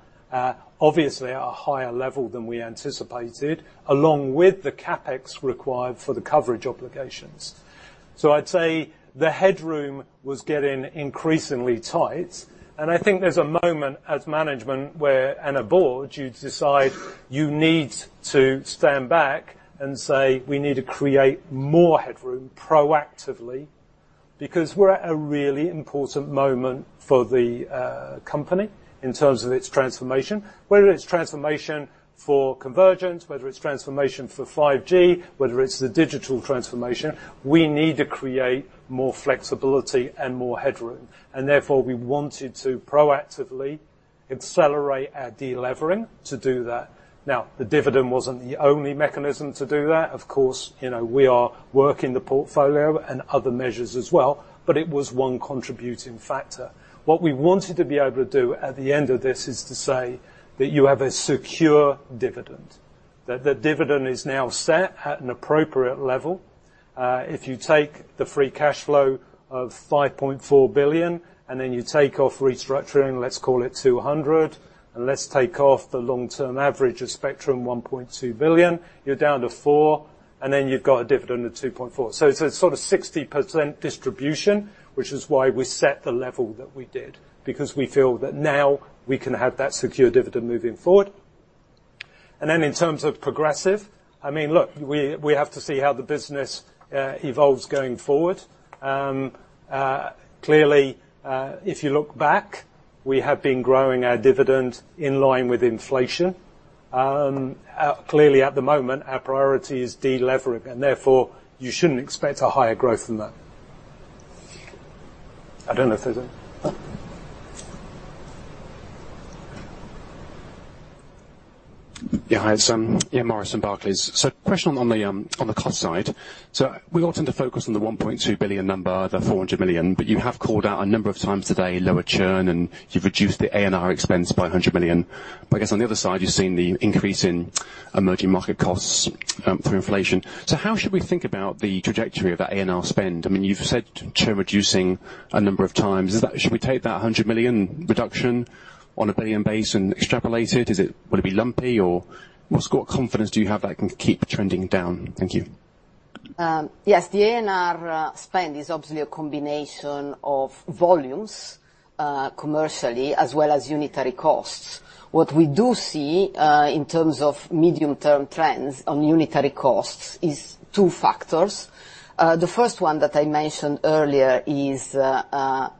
obviously, at a higher level than we anticipated, along with the CapEx required for the coverage obligations. The headroom was getting increasingly tight, and I think there's a moment as management and a board, you decide you need to stand back and say, "We need to create more headroom proactively," because we're at a really important moment for the company in terms of its transformation. Whether it's transformation for convergence, whether it's transformation for 5G, whether it's the digital transformation, we need to create more flexibility and more headroom. We wanted to proactively accelerate our de-levering to do that. The dividend wasn't the only mechanism to do that. Of course, we are working the portfolio and other measures as well, but it was one contributing factor. What we wanted to be able to do at the end of this is to say that you have a secure dividend, that the dividend is now set at an appropriate level. If you take the free cash flow of 5.4 billion, and then you take off restructuring, let's call it 200, and let's take off the long-term average of spectrum 1.2 billion, you're down to 4, and then you've got a dividend of 2.4. It's a 60% distribution, which is why we set the level that we did, because we feel that now we can have that secure dividend moving forward. In terms of progressive, look, we have to see how the business evolves going forward. If you look back, we have been growing our dividend in line with inflation. At the moment, our priority is de-levering, and therefore, you shouldn't expect a higher growth than that. I don't know if there's. Hi. It's Ian Morris at Barclays. Question on the cost side. We often focus on the 1.2 billion number, the 400 million, but you have called out a number of times today lower churn, and you've reduced the A&R expense by 100 million. I guess on the other side, you've seen the increase in emerging market costs through inflation. How should we think about the trajectory of that A&R spend? You've said churn reducing a number of times. Should we take that 100 million reduction on a 1 billion base and extrapolate it? Will it be lumpy, or what confidence do you have that can keep trending down? Thank you. Yes, the A&R spend is obviously a combination of volumes commercially as well as unitary costs. What we do see, in terms of medium-term trends on unitary costs, is two factors. The first one that I mentioned earlier is the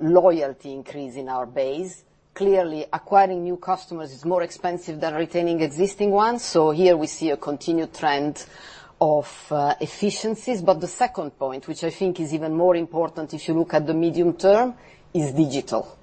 loyalty increase in our base. Clearly, acquiring new customers is more expensive than retaining existing ones. Here we see a continued trend of efficiencies. The second point, which I think is even more important if you look at the medium term, is digital.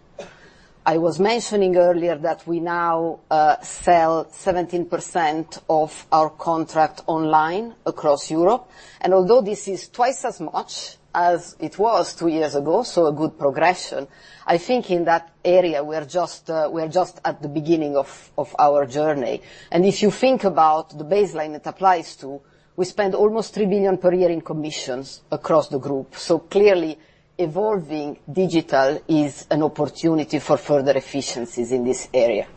I was mentioning earlier that we now sell 17% of our contract online across Europe, and although this is twice as much as it was two years ago, a good progression, I think in that area, we're just at the beginning of our journey. If you think about the baseline it applies to, we spend almost 3 billion per year in commissions across the group. Clearly evolving digital is an opportunity for further efficiencies in this area.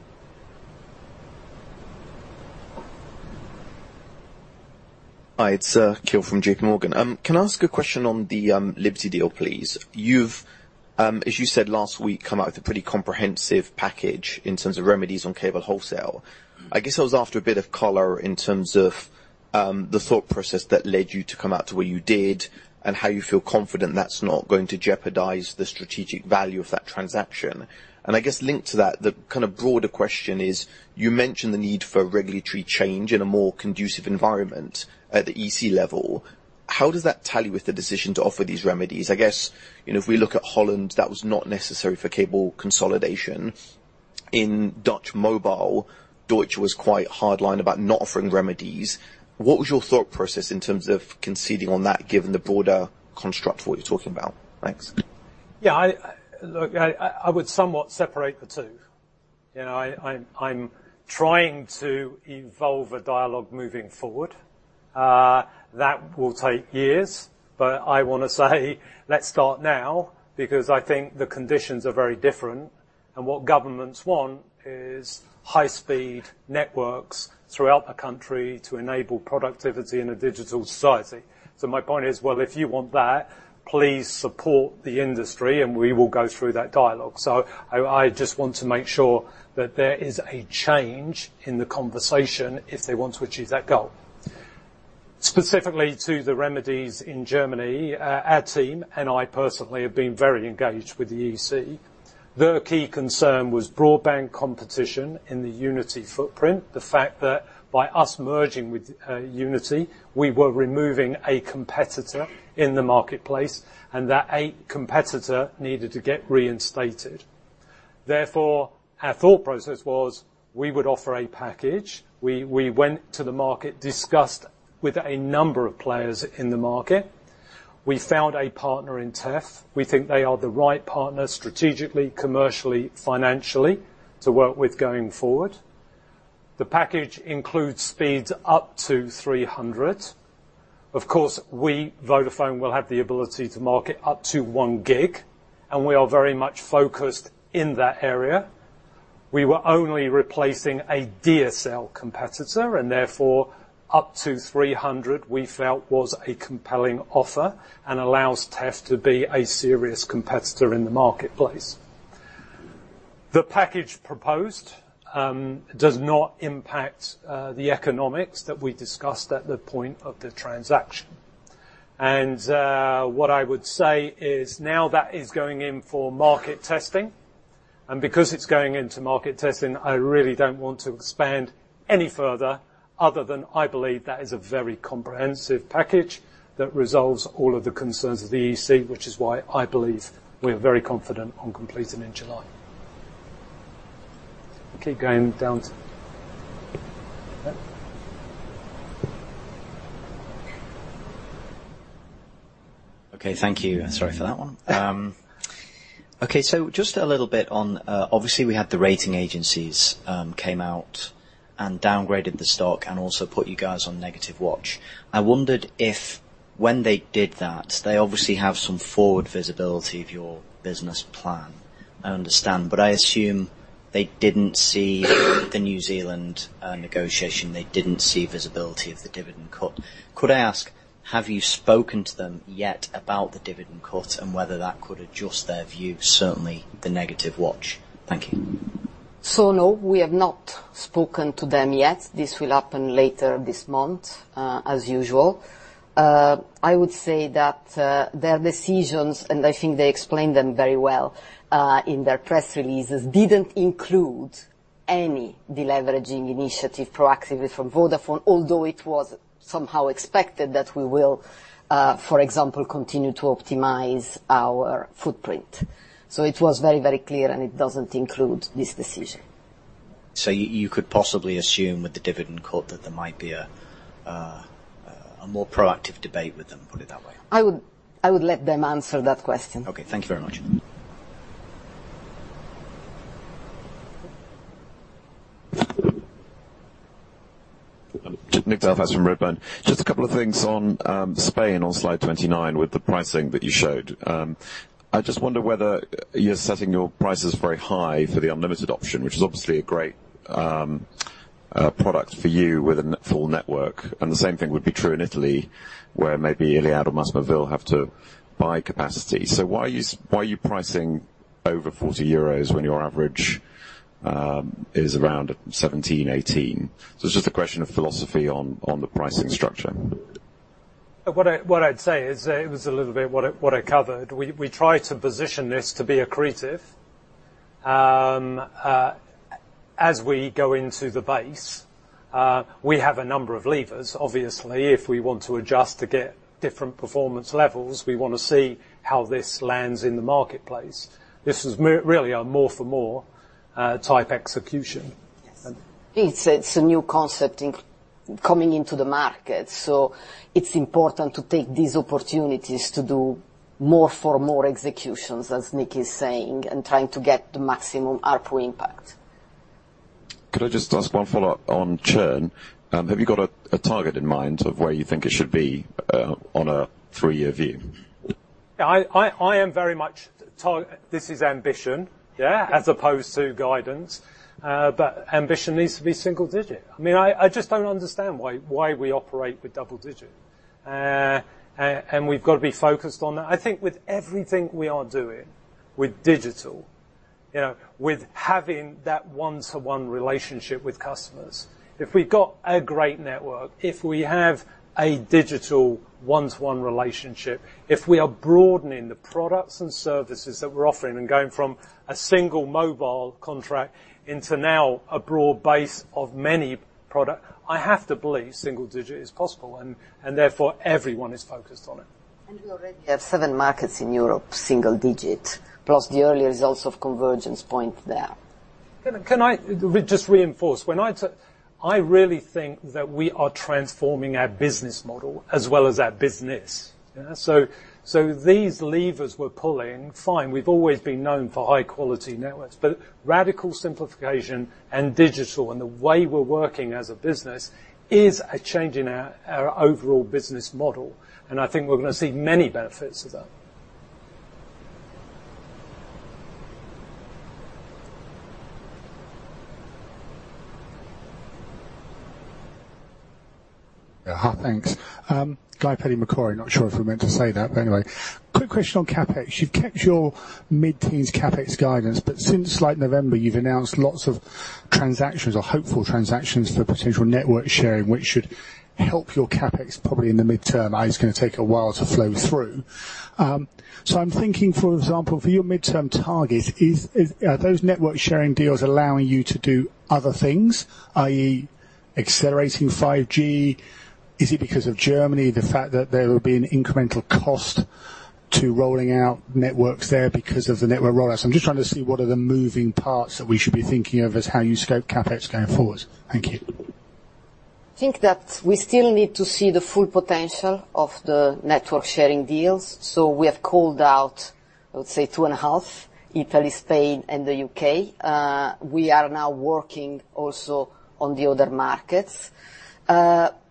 Hi, it's Akhil from JPMorgan. Can I ask a question on the Liberty deal, please? You've, as you said last week, come out with a pretty comprehensive package in terms of remedies on cable wholesale. I guess I was after a bit of color in terms of the thought process that led you to come out to where you did, and how you feel confident that's not going to jeopardize the strategic value of that transaction. And I guess linked to that, the broader question is, you mentioned the need for regulatory change in a more conducive environment at the EC level. How does that tally with the decision to offer these remedies? I guess, if we look at Holland, that was not necessary for cable consolidation. In Dutch mobile, Deutsche was quite hardline about not offering remedies. What was your thought process in terms of conceding on that, given the broader construct for what you're talking about? Thanks. Yeah. Look, I would somewhat separate the two. I'm trying to evolve a dialogue moving forward. That will take years, but I want to say let's start now, because I think the conditions are very different. What governments want is high-speed networks throughout the country to enable productivity in a digital society. My point is, well, if you want that, please support the industry and we will go through that dialogue. I just want to make sure that there is a change in the conversation if they want to achieve that goal. Specifically to the remedies in Germany, our team, and I personally, have been very engaged with the EC. Their key concern was broadband competition in the Unity footprint. The fact that by us merging with Unity, we were removing a competitor in the marketplace, and that a competitor needed to get reinstated. Our thought process was we would offer a package. We went to the market, discussed with a number of players in the market. We found a partner in TEF. We think they are the right partner strategically, commercially, financially, to work with going forward. The package includes speeds up to 300. Of course, we, Vodafone, will have the ability to market up to 1 gig, and we are very much focused in that area. We were only replacing a DSL competitor, and therefore, up to 300 we felt was a compelling offer and allows TEF to be a serious competitor in the marketplace. The package proposed does not impact the economics that we discussed at the point of the transaction. What I would say is now that is going in for market testing, and because it's going into market testing, I really don't want to expand any further, other than I believe that is a very comprehensive package that resolves all of the concerns of the EC, which is why I believe we are very confident on completing in July. Keep going down to Okay, thank you. Sorry for that one. Just a little bit on, obviously we had the rating agencies came out and downgraded the stock and also put you guys on negative watch. I wondered if, when they did that, they obviously have some forward visibility of your business plan, I understand, but I assume they didn't see the New Zealand negotiation. They didn't see visibility of the dividend cut. Could I ask, have you spoken to them yet about the dividend cut and whether that could adjust their view, certainly the negative watch? Thank you. No, we have not spoken to them yet. This will happen later this month, as usual. I would say that, their decisions, and I think they explained them very well, in their press releases, didn't include any deleveraging initiative proactively from Vodafone, although it was somehow expected that we will, for example, continue to optimize our footprint. It was very clear and it doesn't include this decision. You could possibly assume with the dividend cut that there might be a more proactive debate with them, put it that way? I would let them answer that question. Okay, thank you very much. Nick Delfas from Redburn. Just a couple of things on Spain on slide 29 with the pricing that you showed. I just wonder whether you're setting your prices very high for the unlimited option, which is obviously a great product for you with a full network. The same thing would be true in Italy, where maybe Iliad or MásMóvil have to buy capacity. Why are you pricing over 40 euros when your average is around 17, 18? It's just a question of philosophy on the pricing structure. What I'd say is, it was a little bit what I covered. We try to position this to be accretive. As we go into the base, we have a number of levers. Obviously, if we want to adjust to get different performance levels, we want to see how this lands in the marketplace. This is really a more for more type execution. Yes. It's a new concept in coming into the market, it's important to take these opportunities to do more for more executions, as Nick is saying, and trying to get the maximum ARPU impact. Could I just ask one follow-up on churn? Have you got a target in mind of where you think it should be on a three-year view? This is ambition, yeah, as opposed to guidance. Ambition needs to be single digit. I just don't understand why we operate with double digit. We've got to be focused on that. I think with everything we are doing with digital. With having that one-to-one relationship with customers. If we've got a great network, if we have a digital one-to-one relationship, if we are broadening the products and services that we're offering and going from a single mobile contract into now a broad base of many products, I have to believe single digit is possible and therefore everyone is focused on it. We already have seven markets in Europe, single digit, plus the early results of convergence point there. Can I just reinforce, I really think that we are transforming our business model as well as our business. These levers we're pulling, fine, we've always been known for high quality networks, but radical simplification and digital and the way we're working as a business is a change in our overall business model. I think we're going to see many benefits of that. Hi, thanks. Guy Peddy, Macquarie, not sure if we're meant to say that, but anyway. Quick question on CapEx. You've kept your mid-teens CapEx guidance, since November, you've announced lots of transactions or hopeful transactions for potential network sharing, which should help your CapEx probably in the midterm, it's going to take a while to flow through. I'm thinking, for example, for your midterm target, are those network sharing deals allowing you to do other things, i.e. accelerating 5G? Is it because of Germany, the fact that there will be an incremental cost to rolling out networks there because of the network rollout? I'm just trying to see what are the moving parts that we should be thinking of as how you scope CapEx going forward. Thank you. I think that we still need to see the full potential of the network sharing deals. We have called out, I would say 2.5, Italy, Spain, and the U.K. We are now working also on the other markets.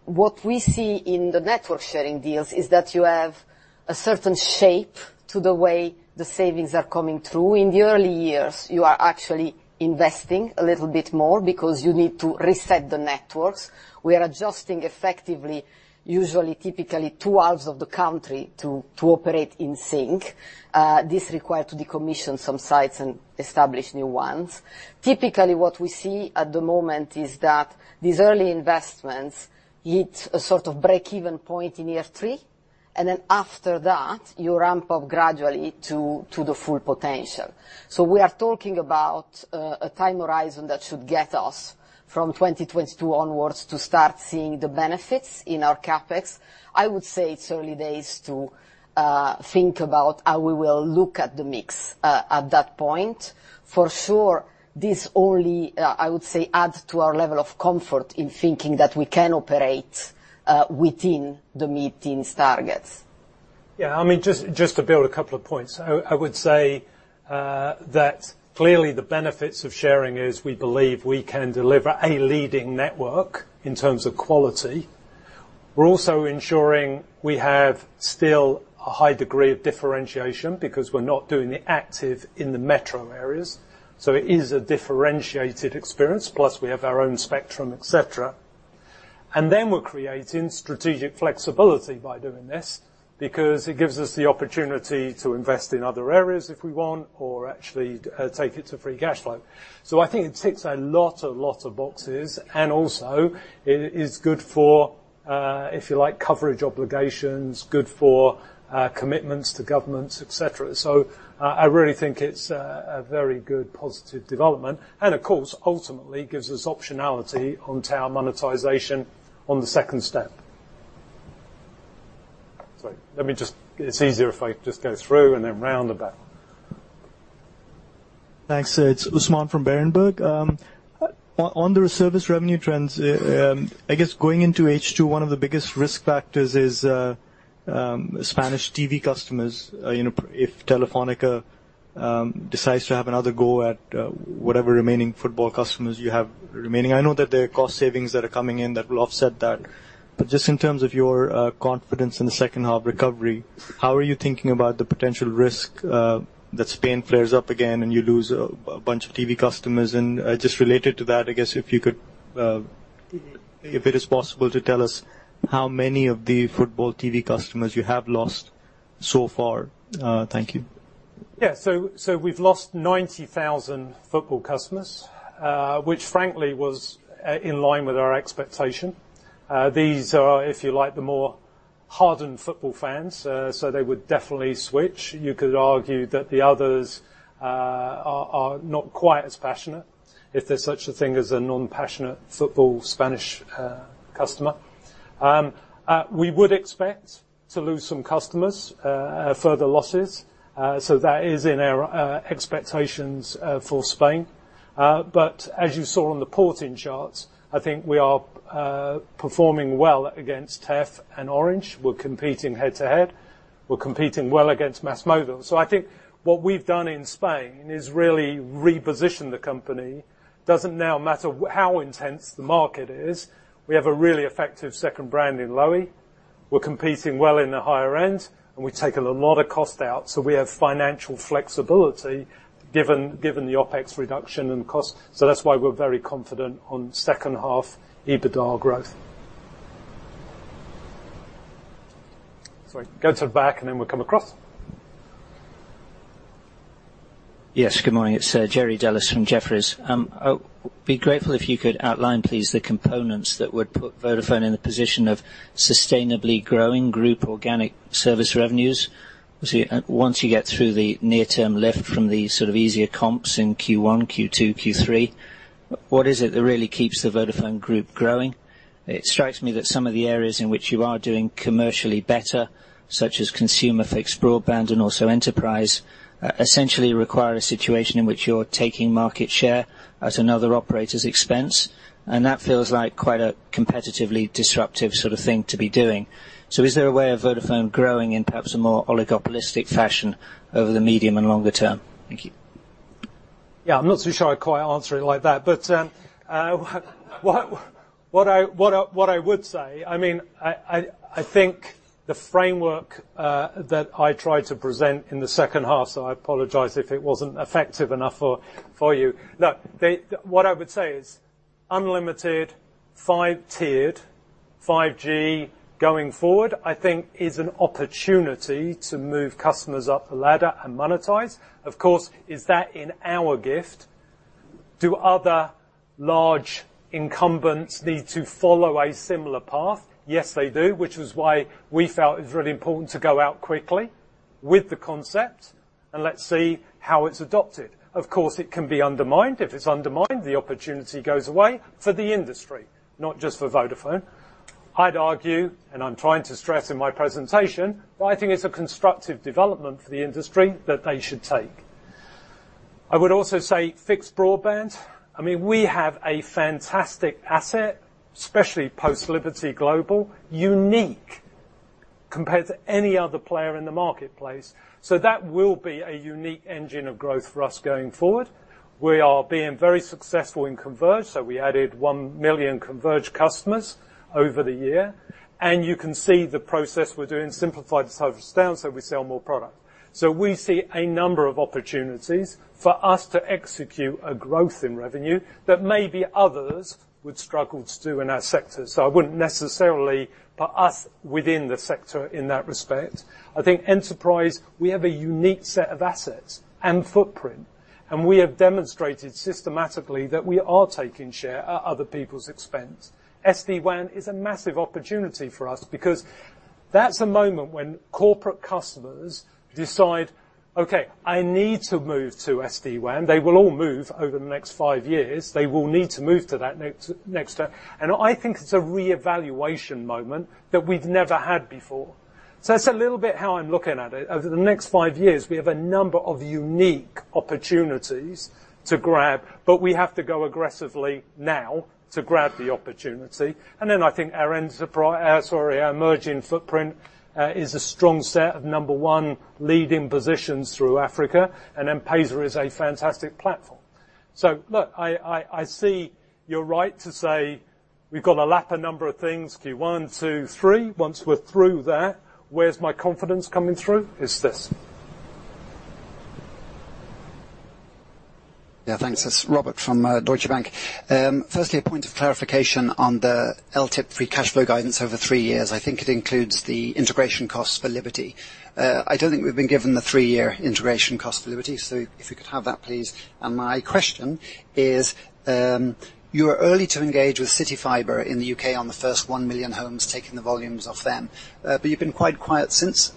What we see in the network sharing deals is that you have a certain shape to the way the savings are coming through. In the early years, you are actually investing a little bit more because you need to reset the networks. We are adjusting effectively, usually typically two halves of the country to operate in sync. This requires to decommission some sites and establish new ones. Typically, what we see at the moment is that these early investments hit a sort of break-even point in year 3. Then after that, you ramp up gradually to the full potential. We are talking about a time horizon that should get us from 2022 onwards to start seeing the benefits in our CapEx. I would say it is early days to think about how we will look at the mix at that point. For sure, this only, I would say, adds to our level of comfort in thinking that we can operate within the mid-teens targets. Just to build a couple of points. I would say that clearly the benefits of sharing is we believe we can deliver a leading network in terms of quality. We are also ensuring we have still a high degree of differentiation, because we are not doing the active in the metro areas. It is a differentiated experience. Plus, we have our own spectrum, et cetera. Then we are creating strategic flexibility by doing this, because it gives us the opportunity to invest in other areas if we want, or actually take it to free cash flow. I think it ticks a lot of boxes, and also it is good for, if you like, coverage obligations. Good for commitments to governments, et cetera. I really think it is a very good positive development. Of course, ultimately gives us optionality on tower monetization on the second step. It is easier if I just go through and then round the back. Thanks. It's Usman from Berenberg. On the service revenue trends, I guess going into H2, one of the biggest risk factors is Spanish TV customers. If Telefónica decides to have another go at whatever remaining football customers you have remaining. I know that there are cost savings that are coming in that will offset that. Just in terms of your confidence in the second half recovery, how are you thinking about the potential risk that Spain flares up again and you lose a bunch of TV customers? Just related to that, I guess if it is possible to tell us how many of the football TV customers you have lost so far. Thank you. Yeah. We've lost 90,000 football customers. Which frankly, was in line with our expectation. These are, if you like, the more hardened football fans, so they would definitely switch. You could argue that the others are not quite as passionate, if there's such a thing as a non-passionate football Spanish customer. We would expect to lose some customers, further losses. That is in our expectations for Spain. As you saw on the port-in charts, I think we are performing well against TEF and Orange. We're competing head-to-head. We're competing well against MásMóvil. I think what we've done in Spain is really reposition the company. Doesn't now matter how intense the market is, we have a really effective second brand in Lowi. We're competing well in the higher end, and we've taken a lot of cost out, so we have financial flexibility given the OpEx reduction and cost. That's why we're very confident on second half EBITDA growth. Sorry. Go to the back, and then we'll come across. Yes, good morning. It's Jerry Dallas from Jefferies. Be grateful if you could outline, please, the components that would put Vodafone in the position of sustainably growing group organic service revenues. Once you get through the near term lift from the sort of easier comps in Q1, Q2, Q3, what is it that really keeps the Vodafone Group growing? It strikes me that some of the areas in which you are doing commercially better, such as consumer fixed broadband and also enterprise, essentially require a situation in which you're taking market share at another operator's expense, and that feels like quite a competitively disruptive sort of thing to be doing. Is there a way of Vodafone growing in perhaps a more oligopolistic fashion over the medium and longer term? Thank you. Yeah. I'm not so sure I'd quite answer it like that. What I would say, I think the framework that I tried to present in the second half, so I apologize if it wasn't effective enough for you. No. What I would say is unlimited five-tiered 5G going forward, I think is an opportunity to move customers up the ladder and monetize. Of course, is that in our gift? Do other large incumbents need to follow a similar path? Yes, they do, which was why we felt it was really important to go out quickly with the concept, and let's see how it's adopted. Of course, it can be undermined. If it's undermined, the opportunity goes away for the industry, not just for Vodafone. I'd argue, I'm trying to stress in my presentation, but I think it's a constructive development for the industry that they should take. I would also say fixed broadband. We have a fantastic asset, especially post Liberty Global, unique compared to any other player in the marketplace. That will be a unique engine of growth for us going forward. We are being very successful in convergence, so we added 1 million convergence customers over the year. You can see the process we're doing simplified. Go to the back, then we'll come across. SD-WAN is a massive opportunity for us because that's a moment when corporate customers decide, "Okay, I need to move to SD-WAN." They will all move over the next 5 years. They will need to move to that next. I think it's a reevaluation moment that we've never had before. That's a little bit how I'm looking at it. Over the next 5 years, we have a number of unique opportunities to grab, we have to go aggressively now to grab the opportunity. I think our emerging footprint, is a strong set of number 1 leading positions through Africa. M-Pesa is a fantastic platform. Look, I see you're right to say we've got to lap a number of things. One, two, three. Once we're through there, where's my confidence coming through? It's this. Yeah, thanks. It's Robert from Deutsche Bank. Firstly, a point of clarification on the LTIP free cash flow guidance over 3 years. I think it includes the integration costs for Liberty. I don't think we've been given the 3-year integration cost for Liberty. If we could have that, please. My question is, you are early to engage with CityFibre in the U.K. on the first 1 million homes, taking the volumes off them. You've been quite quiet since.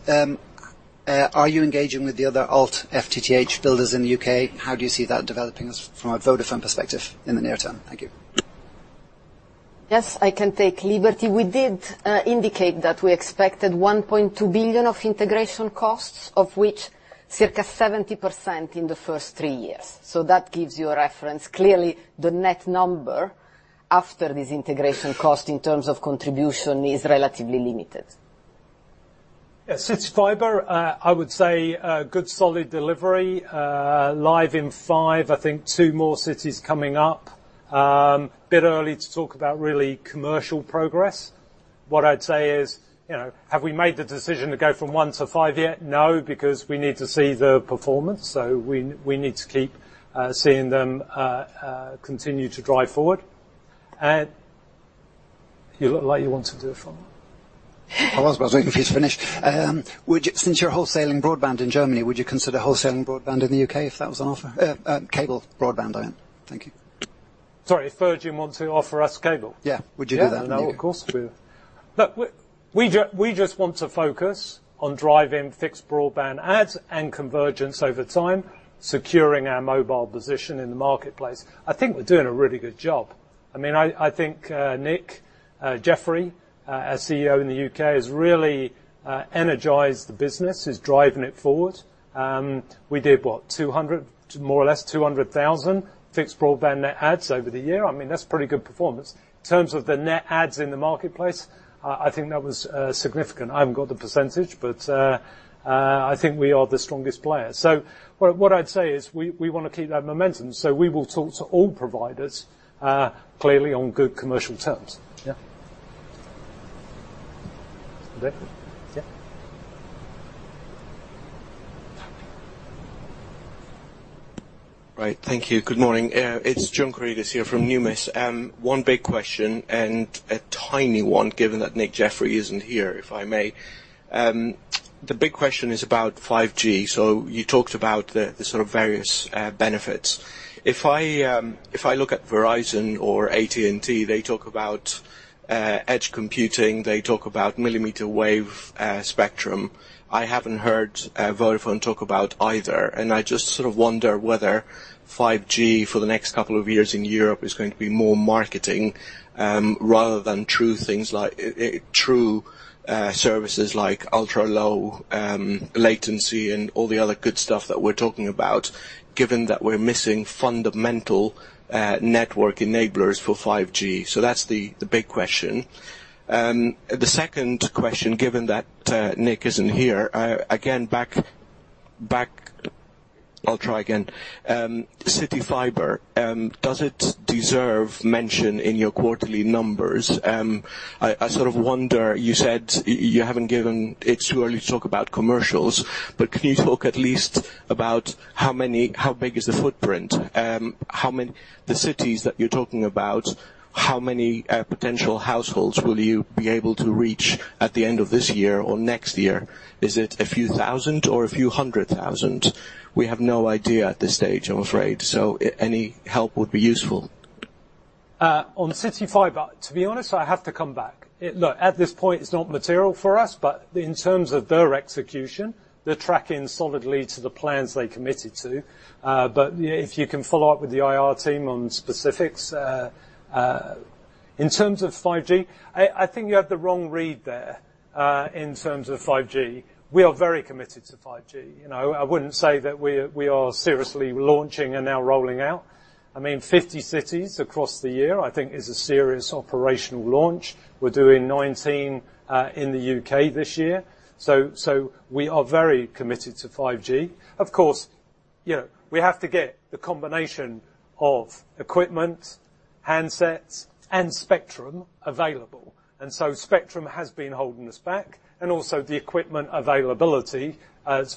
Are you engaging with the other alt FTTH builders in the U.K.? How do you see that developing from a Vodafone perspective in the near term? Thank you. Yes, I can take Liberty. We did indicate that we expected 1.2 billion of integration costs, of which circa 70% in the first three years. That gives you a reference. Clearly, the net number after this integration cost in terms of contribution is relatively limited. Yes, CityFibre, I would say, good solid delivery, live in five, I think two more cities coming up. A bit early to talk about really commercial progress. What I'd say is, have we made the decision to go from one to five yet? No, because we need to see the performance. We need to keep seeing them continue to drive forward. You look like you want to do a follow-up. I was waiting for you to finish. Since you're wholesaling broadband in Germany, would you consider wholesaling broadband in the U.K. if that was on offer? Cable broadband, I mean. Thank you. Sorry. Virgin want to offer us cable? Yeah. Would you do that? Yeah. No, of course, we would. Look, we just want to focus on driving fixed broadband adds and convergence over time, securing our mobile position in the marketplace. I think we're doing a really good job. I think Nick Jeffery, our CEO in the U.K., has really energized the business, is driving it forward. We did what, more or less 200,000 fixed broadband net adds over the year. That's pretty good performance. In terms of the net adds in the marketplace, I think that was significant. I haven't got the percentage, but I think we are the strongest player. What I'd say is we want to keep that momentum, so we will talk to all providers, clearly on good commercial terms. Yeah. There. Yeah. Right. Thank you. Good morning. It's John Karidis here from Numis. One big question and a tiny one, given that Nick Jeffery isn't here, if I may. The big question is about 5G. You talked about the sort of various benefits. If I look at Verizon or AT&T, they talk about edge computing, they talk about millimeter wave spectrum. I haven't heard Vodafone talk about either. I just sort of wonder whether 5G for the next couple of years in Europe is going to be more marketing, rather than true things, true services like ultra-low latency and all the other good stuff that we're talking about, given that we're missing fundamental network enablers for 5G. That's the big question. The second question, given that Nick isn't here, again, I'll try again. CityFibre, does it deserve mention in your quarterly numbers? I sort of wonder, you said you haven't given it's too early to talk about commercials, but can you talk at least about how big is the footprint? The cities that you're talking about, how many potential households will you be able to reach at the end of this year or next year? Is it a few thousand or a few hundred thousand? We have no idea at this stage, I'm afraid. Any help would be useful. CityFibre, to be honest, I have to come back. At this point, it's not material for us, but in terms of their execution, they're tracking solidly to the plans they committed to. If you can follow up with the IR team on specifics. In terms of 5G, I think you have the wrong read there in terms of 5G. We are very committed to 5G. I wouldn't say that we are seriously launching and now rolling out. 50 cities across the year, I think is a serious operational launch. We're doing 19 in the U.K. this year. We are very committed to 5G. Of course, we have to get the combination of equipment, handsets, and spectrum available. Spectrum has been holding us back, and also the equipment availability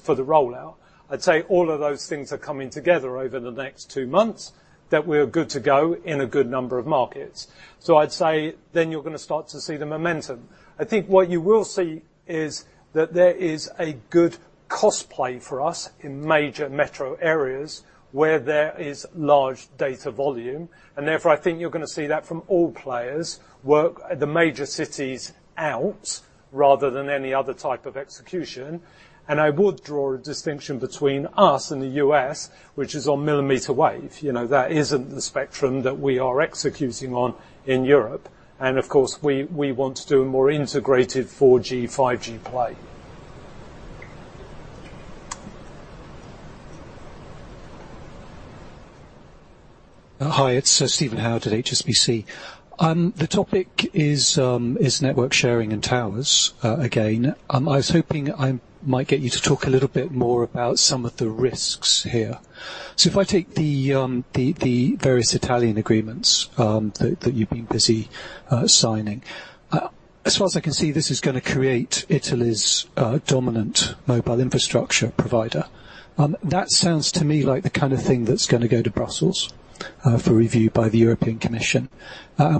for the rollout. I'd say all of those things are coming together over the next two months, that we're good to go in a good number of markets. I'd say then you're going to start to see the momentum. I think what you will see is that there is a good cost play for us in major metro areas where there is large data volume, and therefore, I think you're going to see that from all players work the major cities out rather than any other type of execution. I would draw a distinction between us and the U.S., which is on millimeter wave. That isn't the spectrum that we are executing on in Europe. Of course, we want to do a more integrated 4G, 5G play. Hi, it's Stephen Howard at HSBC. The topic is network sharing and towers, again. I was hoping I might get you to talk a little bit more about some of the risks here. If I take the various Italian agreements that you've been busy signing. As far as I can see, this is going to create Italy's dominant mobile infrastructure provider. That sounds to me like the kind of thing that's going to go to Brussels for review by the European Commission.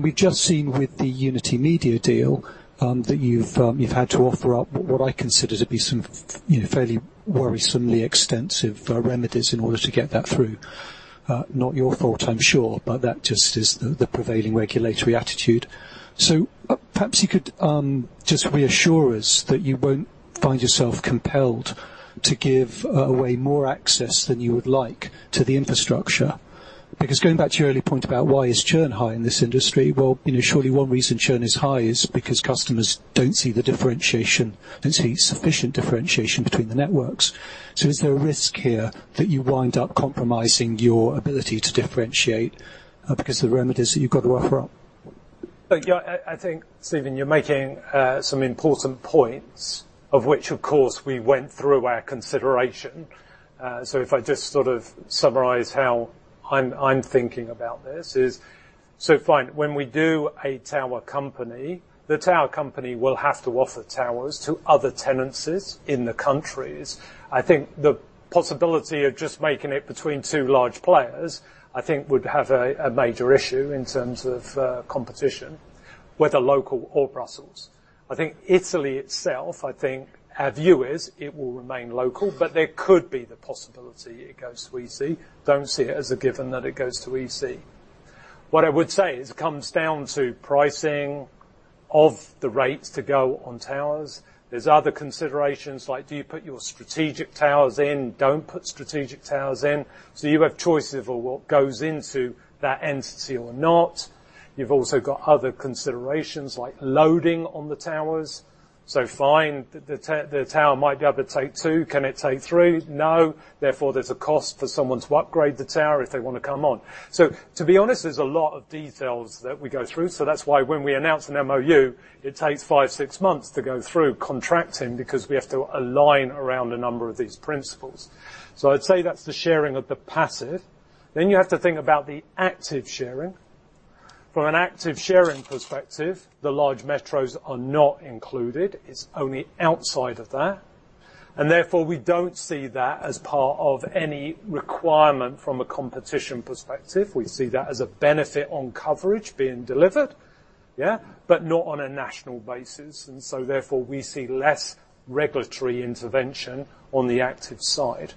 We've just seen with the Unitymedia deal that you've had to offer up what I consider to be some fairly worrisomely extensive remedies in order to get that through. Not your thought, I'm sure, but that just is the prevailing regulatory attitude. Perhaps you could just reassure us that you won't find yourself compelled to give away more access than you would like to the infrastructure. Because going back to your earlier point about why is churn high in this industry, well, surely one reason churn is high is because customers don't see the differentiation, don't see sufficient differentiation between the networks. Is there a risk here that you wind up compromising your ability to differentiate because the remedies that you've got to offer up? I think, Stephen, you're making some important points, of which of course we went through our consideration. If I just sort of summarize how I'm thinking about this is, fine, when we do a tower company, the tower company will have to offer towers to other tenancies in the countries. I think the possibility of just making it between two large players, I think would have a major issue in terms of competition, whether local or Brussels. I think Italy itself, I think our view is it will remain local, but there could be the possibility it goes to EC. I don't see it as a given that it goes to EC. What I would say is it comes down to pricing of the rates to go on towers. There's other considerations like do you put your strategic towers in, don't put strategic towers in. You have choices of what goes into that entity or not. You've also got other considerations like loading on the towers. Fine, the tower might be able to take two. Can it take three? No. Therefore, there's a cost for someone to upgrade the tower if they want to come on. To be honest, there's a lot of details that we go through. That's why when we announce an MOU, it takes five, six months to go through contracting because we have to align around a number of these principles. I'd say that's the sharing of the passive. You have to think about the active sharing. From an active sharing perspective, the large metros are not included. It's only outside of that. Therefore, we don't see that as part of any requirement from a competition perspective. We see that as a benefit on coverage being delivered, but not on a national basis. Therefore, we see less regulatory intervention on the active side.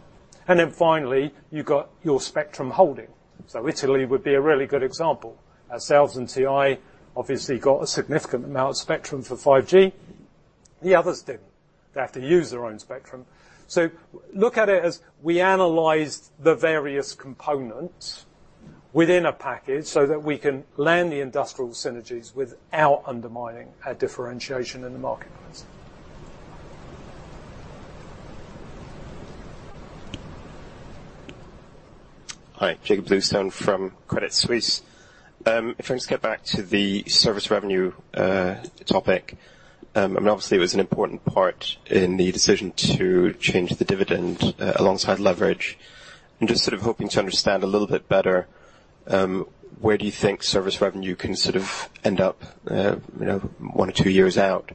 Finally, you got your spectrum holding. Italy would be a really good example. Telefónica and TIM obviously got a significant amount of spectrum for 5G. The others didn't. They have to use their own spectrum. Look at it as we analyzed the various components within a package so that we can land the industrial synergies without undermining our differentiation in the marketplace. Hi, Jakob Bluestone from Credit Suisse. If I just get back to the service revenue topic, obviously it was an important part in the decision to change the dividend alongside leverage. I'm just sort of hoping to understand a little bit better where do you think service revenue can sort of end up one or two years out?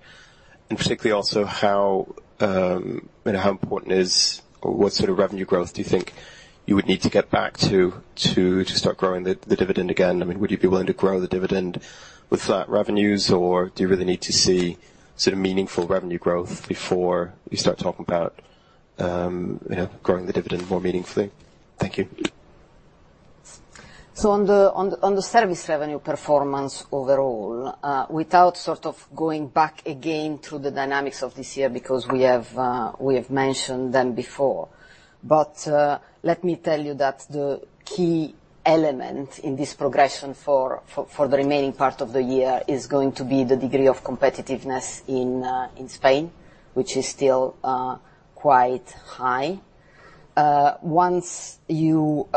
Particularly also how important is, or what sort of revenue growth do you think you would need to get back to start growing the dividend again? I mean, would you be willing to grow the dividend with flat revenues, or do you really need to see sort of meaningful revenue growth before you start talking about growing the dividend more meaningfully? Thank you. On the service revenue performance overall, without sort of going back again through the dynamics of this year, because we have mentioned them before. Let me tell you that the key element in this progression for the remaining part of the year is going to be the degree of competitiveness in Spain, which is still quite high. Once you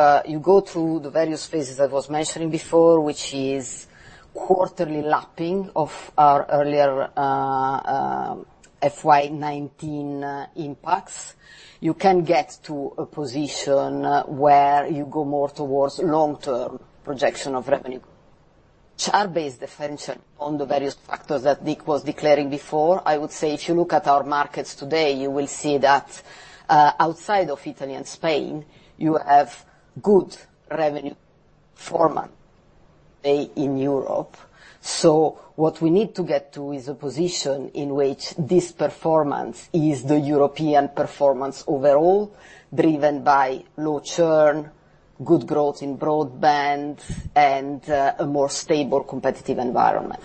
go through the various phases I was mentioning before, which is quarterly lapping of our earlier FY 2019 impacts, you can get to a position where you go more towards long-term projection of revenue. Charge-based differential on the various factors that Nick was declaring before. If you look at our markets today, you will see that outside of Italy and Spain, you have good revenue for month in Europe. What we need to get to is a position in which this performance is the European performance overall, driven by low churn, good growth in broadband, and a more stable competitive environment.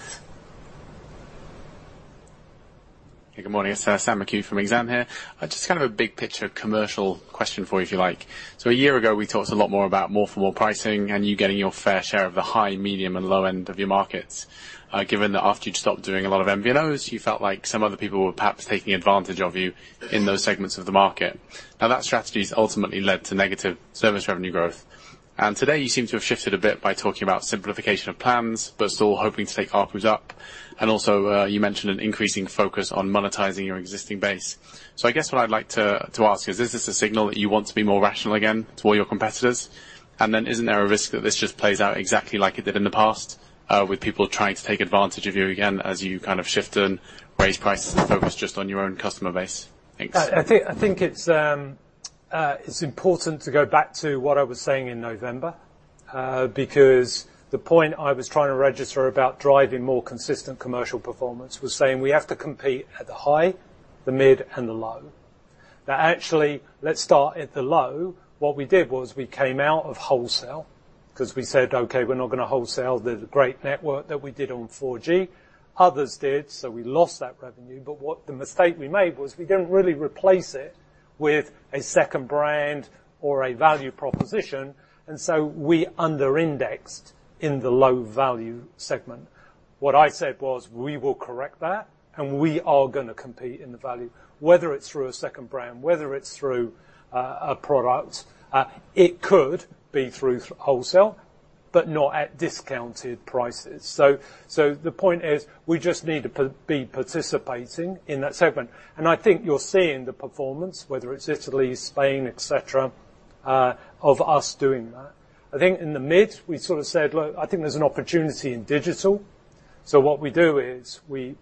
Good morning. It's Sam McCue from Exane here. Just a big picture commercial question for you, if you like. A year ago, we talked a lot more about more for more pricing and you getting your fair share of the high, medium, and low end of your markets. Given that after you'd stopped doing a lot of MVNOs, you felt like some other people were perhaps taking advantage of you in those segments of the market. That strategy has ultimately led to negative service revenue growth. Today you seem to have shifted a bit by talking about simplification of plans, but still hoping to take ARPU up. Also, you mentioned an increasing focus on monetizing your existing base. What I'd like to ask is this a signal that you want to be more rational again to all your competitors? Isn't there a risk that this just plays out exactly like it did in the past, with people trying to take advantage of you again as you shift and raise prices and focus just on your own customer base? Thanks. I think it's important to go back to what I was saying in November. The point I was trying to register about driving more consistent commercial performance was saying we have to compete at the high, the mid, and the low. Let's start at the low. What we did was we came out of wholesale because we said, "Okay, we're not going to wholesale the great network that we did on 4G." Others did, so we lost that revenue. What the mistake we made was we didn't really replace it with a second brand or a value proposition, and so we under-indexed in the low-value segment. What I said was, we will correct that, and we are going to compete in the value, whether it's through a second brand, whether it's through a product. It could be through wholesale, but not at discounted prices. The point is, we just need to be participating in that segment. I think you're seeing the performance, whether it's Italy, Spain, et cetera, of us doing that. I think in the mid, we said, "Look, I think there's an opportunity in digital." What we do is we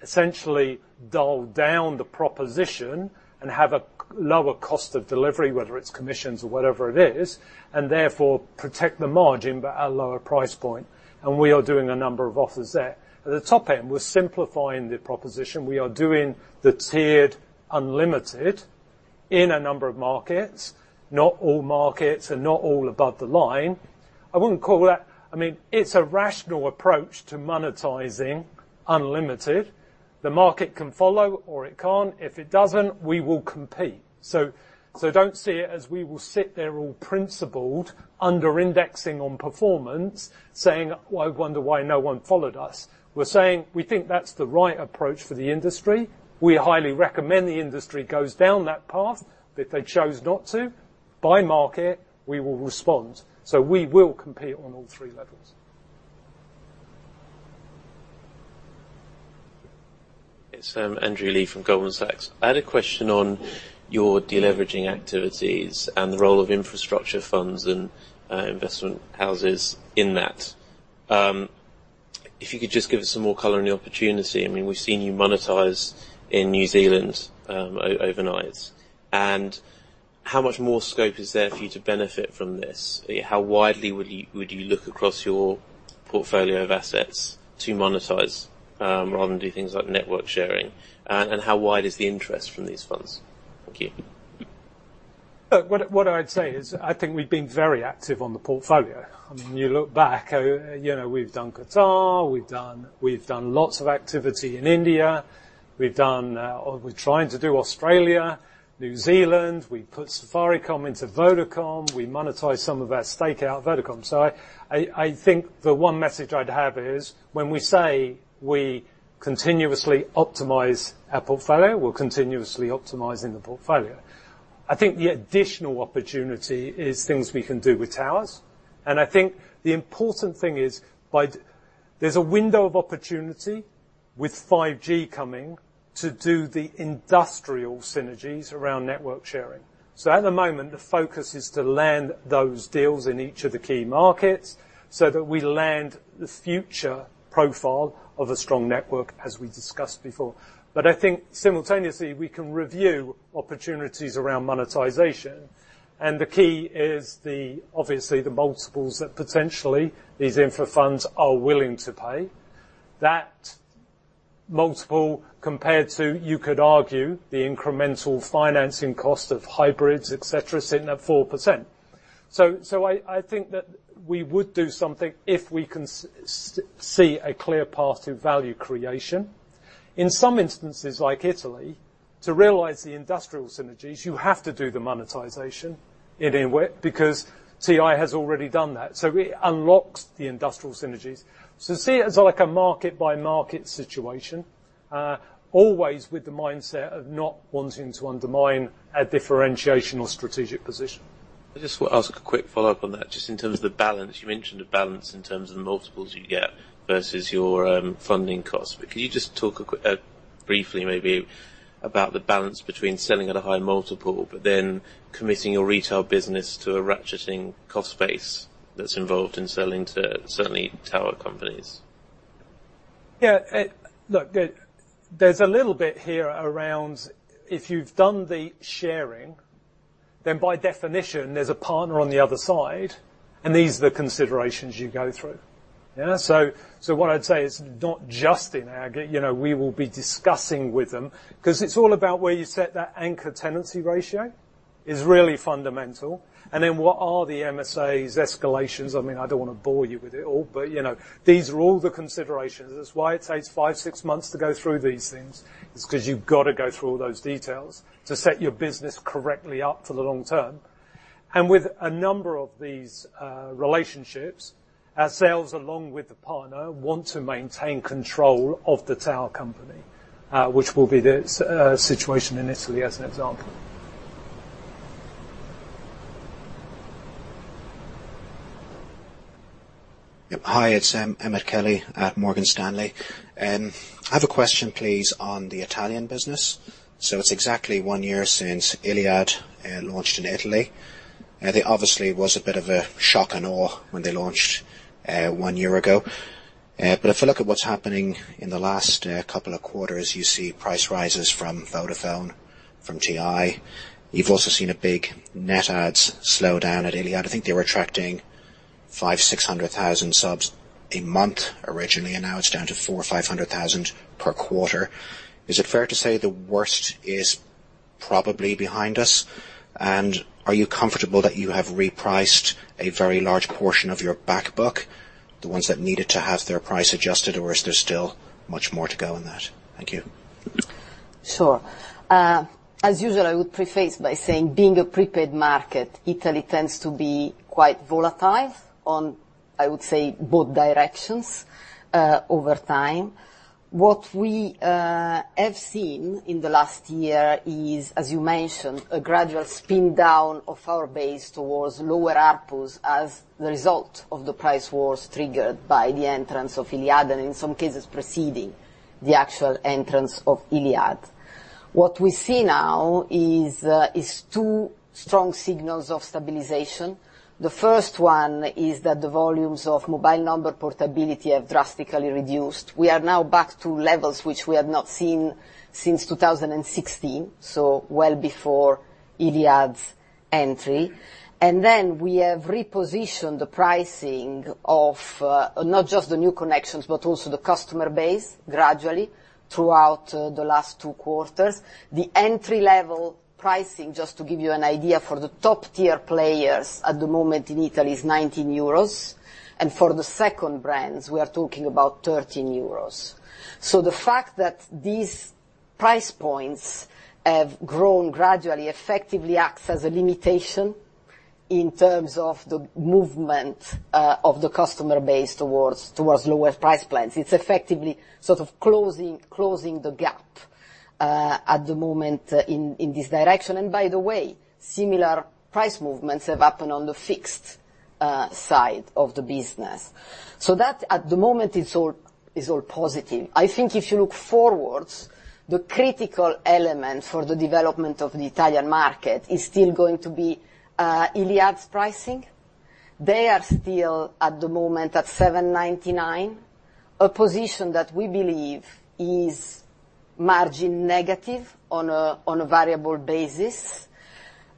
essentially dull down the proposition and have a lower cost of delivery, whether it's commissions or whatever it is, and therefore protect the margin, but at a lower price point. We are doing a number of offers there. At the top end, we're simplifying the proposition. We are doing the tiered unlimited in a number of markets. Not all markets and not all above the line. It's a rational approach to monetizing unlimited. The market can follow or it can't. If it doesn't, we will compete. Don't see it as we will sit there all principled, under-indexing on performance, saying, "Well, I wonder why no one followed us." We're saying, "We think that's the right approach for the industry. We highly recommend the industry goes down that path." If they chose not to, by market, we will respond. We will compete on all three levels. It's Andrew Lee from Goldman Sachs. I had a question on your deleveraging activities and the role of infrastructure funds and investment houses in that. If you could just give us some more color on the opportunity. I mean, we've seen you monetize in New Zealand overnight. How much more scope is there for you to benefit from this? How widely would you look across your portfolio of assets to monetize, rather than do things like network sharing? How wide is the interest from these funds? Thank you. Look, what I'd say is, I think we've been very active on the portfolio. You look back, we've done Qatar, we've done lots of activity in India. We're trying to do Australia, New Zealand. We put Safaricom into Vodacom. We monetize some of our stake out Vodacom. I think the one message I'd have is, when we say we continuously optimize our portfolio, we're continuously optimizing the portfolio. I think the additional opportunity is things we can do with towers. The important thing is there's a window of opportunity with 5G coming to do the industrial synergies around network sharing. At the moment, the focus is to land those deals in each of the key markets so that we land the future profile of a strong network, as we discussed before. I think simultaneously, we can review opportunities around monetization. The key is obviously the multiples that potentially these infra funds are willing to pay. That multiple compared to, you could argue, the incremental financing cost of hybrids, et cetera, sitting at 4%. I think that we would do something if we can see a clear path to value creation. In some instances, like Italy, to realize the industrial synergies, you have to do the monetization in with, because INWIT has already done that. It unlocks the industrial synergies. See it as like a market-by-market situation, always with the mindset of not wanting to undermine a differentiation or strategic position. I just want to ask a quick follow-up on that, just in terms of the balance. You mentioned a balance in terms of the multiples you get versus your funding costs. Could you just talk briefly maybe about the balance between selling at a high multiple, but then committing your retail business to a ratcheting cost base that's involved in selling to, certainly, tower companies? Yeah. Look, there's a little bit here around if you've done the sharing, then by definition, there's a partner on the other side, and these are the considerations you go through. What I'd say is, not just in AGAT, we will be discussing with them, because it's all about where you set that anchor tenancy ratio is really fundamental. What are the MSAs escalations? I don't want to bore you with it all, but these are all the considerations. That's why it takes five, six months to go through these things, is because you've got to go through all those details to set your business correctly up for the long term. With a number of these relationships, our sales, along with the partner, want to maintain control of the tower company, which will be the situation in Italy as an example. Hi, it's Emmet Kelly at Morgan Stanley. I have a question, please, on the Italian business. It's exactly one year since Iliad launched in Italy. They obviously was a bit of a shock and awe when they launched one year ago. If I look at what's happening in the last couple of quarters, you see price rises from Vodafone, from TIM. You've also seen a big net adds slow down at Iliad. I think they were attracting five, 600,000 subs a month originally, and now it's down to four or 500,000 per quarter. Is it fair to say the worst is probably behind us? Are you comfortable that you have repriced a very large portion of your back book, the ones that needed to have their price adjusted, or is there still much more to go on that? Thank you. Sure. As usual, I would preface by saying being a prepaid market, Italy tends to be quite volatile on, I would say, both directions, over time. What we have seen in the last year is, as you mentioned, a gradual spin down of our base towards lower ARPUs as the result of the price wars triggered by the entrance of Iliad, and in some cases, preceding the actual entrance of Iliad. What we see now is two strong signals of stabilization. The first one is that the volumes of mobile number portability have drastically reduced. We are now back to levels which we had not seen since 2016, so well before Iliad's entry. We have repositioned the pricing of not just the new connections, but also the customer base gradually throughout the last two quarters. The entry-level pricing, just to give you an idea, for the top tier players at the moment in Italy is 19 euros. For the second brands, we are talking about 13 euros. The fact that these price points have grown gradually effectively acts as a limitation in terms of the movement of the customer base towards lower price plans. It's effectively sort of closing the gap at the moment in this direction. By the way, similar price movements have happened on the fixed side of the business. That at the moment is all positive. I think if you look forwards, the critical element for the development of the Italian market is still going to be Iliad's pricing. They are still at the moment at 7.99, a position that we believe is margin negative on a variable basis.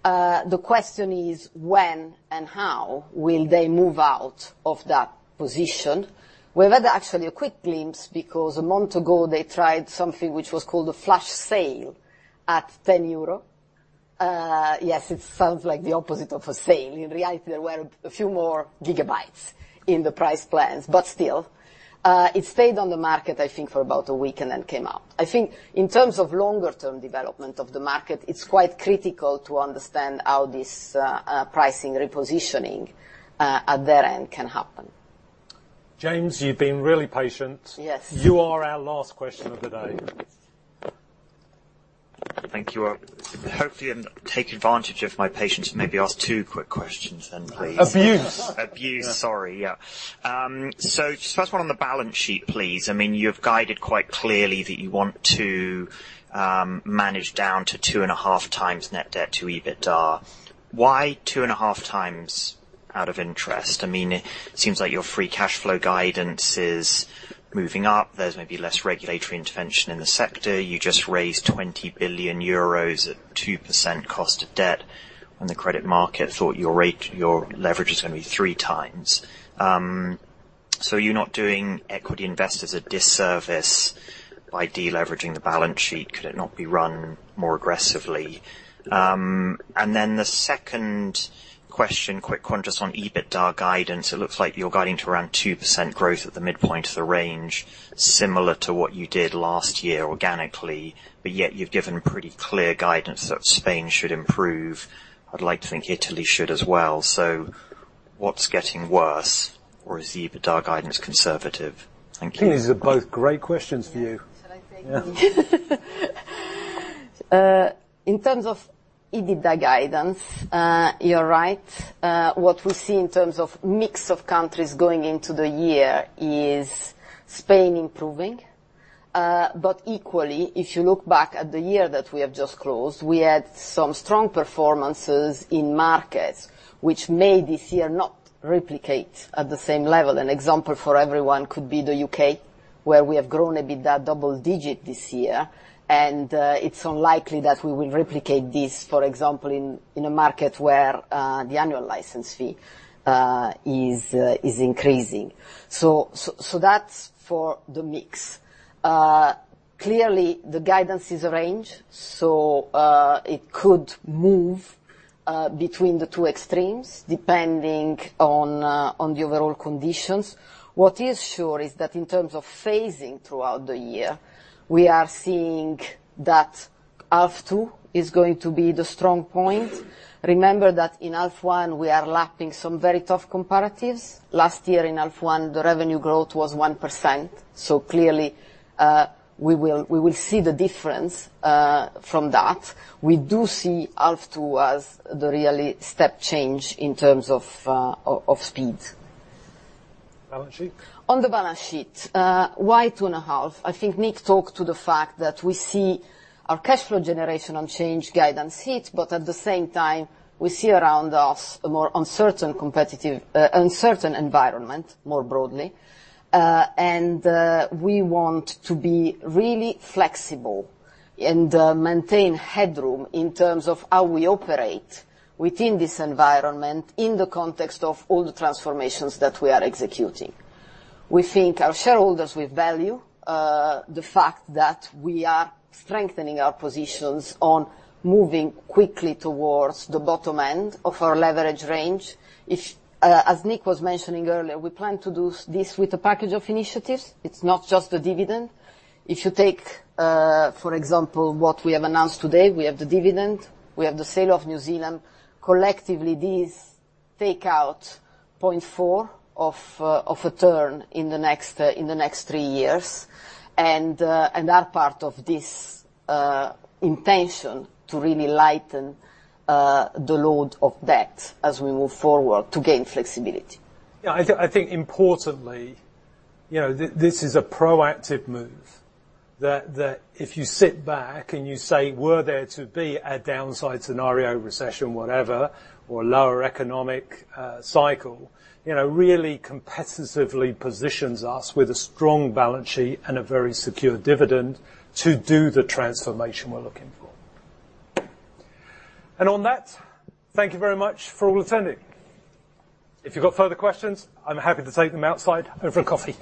The question is when and how will they move out of that position? We've had actually a quick glimpse because a month ago they tried something which was called a flash sale at 10 euro. Yes, it sounds like the opposite of a sale. In reality, there were a few more gigabytes in the price plans. Still, it stayed on the market, I think, for about a week and then came out. I think in terms of longer-term development of the market, it's quite critical to understand how this pricing repositioning at their end can happen. James, you've been really patient. Yes. You are our last question of the day. Thank you. Hopefully I can take advantage of my patience and maybe ask two quick questions then, please. Abuse. Abuse, sorry. Yeah. First one on the balance sheet, please. You've guided quite clearly that you want to manage down to two and a half times net debt to EBITDA. Why two and a half times, out of interest? It seems like your free cash flow guidance is moving up. There's maybe less regulatory intervention in the sector. You just raised 20 billion euros at 2% cost of debt when the credit market thought your leverage was going to be three times. You're not doing equity investors a disservice by de-leveraging the balance sheet. Could it not be run more aggressively? The second question, quick one just on EBITDA guidance. It looks like you're guiding to around 2% growth at the midpoint of the range, similar to what you did last year organically, but yet you've given pretty clear guidance that Spain should improve. I'd like to think Italy should as well. What's getting worse? Is the EBITDA guidance conservative? Thank you. These are both great questions for you. Shall I take them? In terms of EBITDA guidance, you're right. What we see in terms of mix of countries going into the year is Spain improving. Equally, if you look back at the year that we have just closed, we had some strong performances in markets which may this year not replicate at the same level. An example for everyone could be the U.K., where we have grown EBITDA double-digit this year, and it's unlikely that we will replicate this, for example, in a market where the annual license fee is increasing. That's for the mix. Clearly, the guidance is arranged. It could move between the two extremes depending on the overall conditions. What is sure is that in terms of phasing throughout the year, we are seeing that half two is going to be the strong point. Remember that in half one, we are lapping some very tough comparatives. Last year in half one, the revenue growth was 1%. Clearly, we will see the difference from that. We do see half two as the really step change in terms of speed. Balance sheet? On the balance sheet, why 2.5? I think Nick talked to the fact that we see our cash flow generation on change guidance hit, but at the same time, we see around us a more uncertain environment, more broadly. We want to be really flexible and maintain headroom in terms of how we operate within this environment, in the context of all the transformations that we are executing. We think our shareholders will value the fact that we are strengthening our positions on moving quickly towards the bottom end of our leverage range. As Nick was mentioning earlier, we plan to do this with a package of initiatives. It's not just a dividend. If you take, for example, what we have announced today, we have the dividend, we have the sale of New Zealand. Collectively, these take out 0.4 of a turn in the next three years. Are part of this intention to really lighten the load of debt as we move forward to gain flexibility. I think importantly, this is a proactive move, that if you sit back and you say, "Were there to be a downside scenario, recession, whatever, or lower economic cycle," really competitively positions us with a strong balance sheet and a very secure dividend to do the transformation we're looking for. On that, thank you very much for all attending. If you've got further questions, I'm happy to take them outside over a coffee.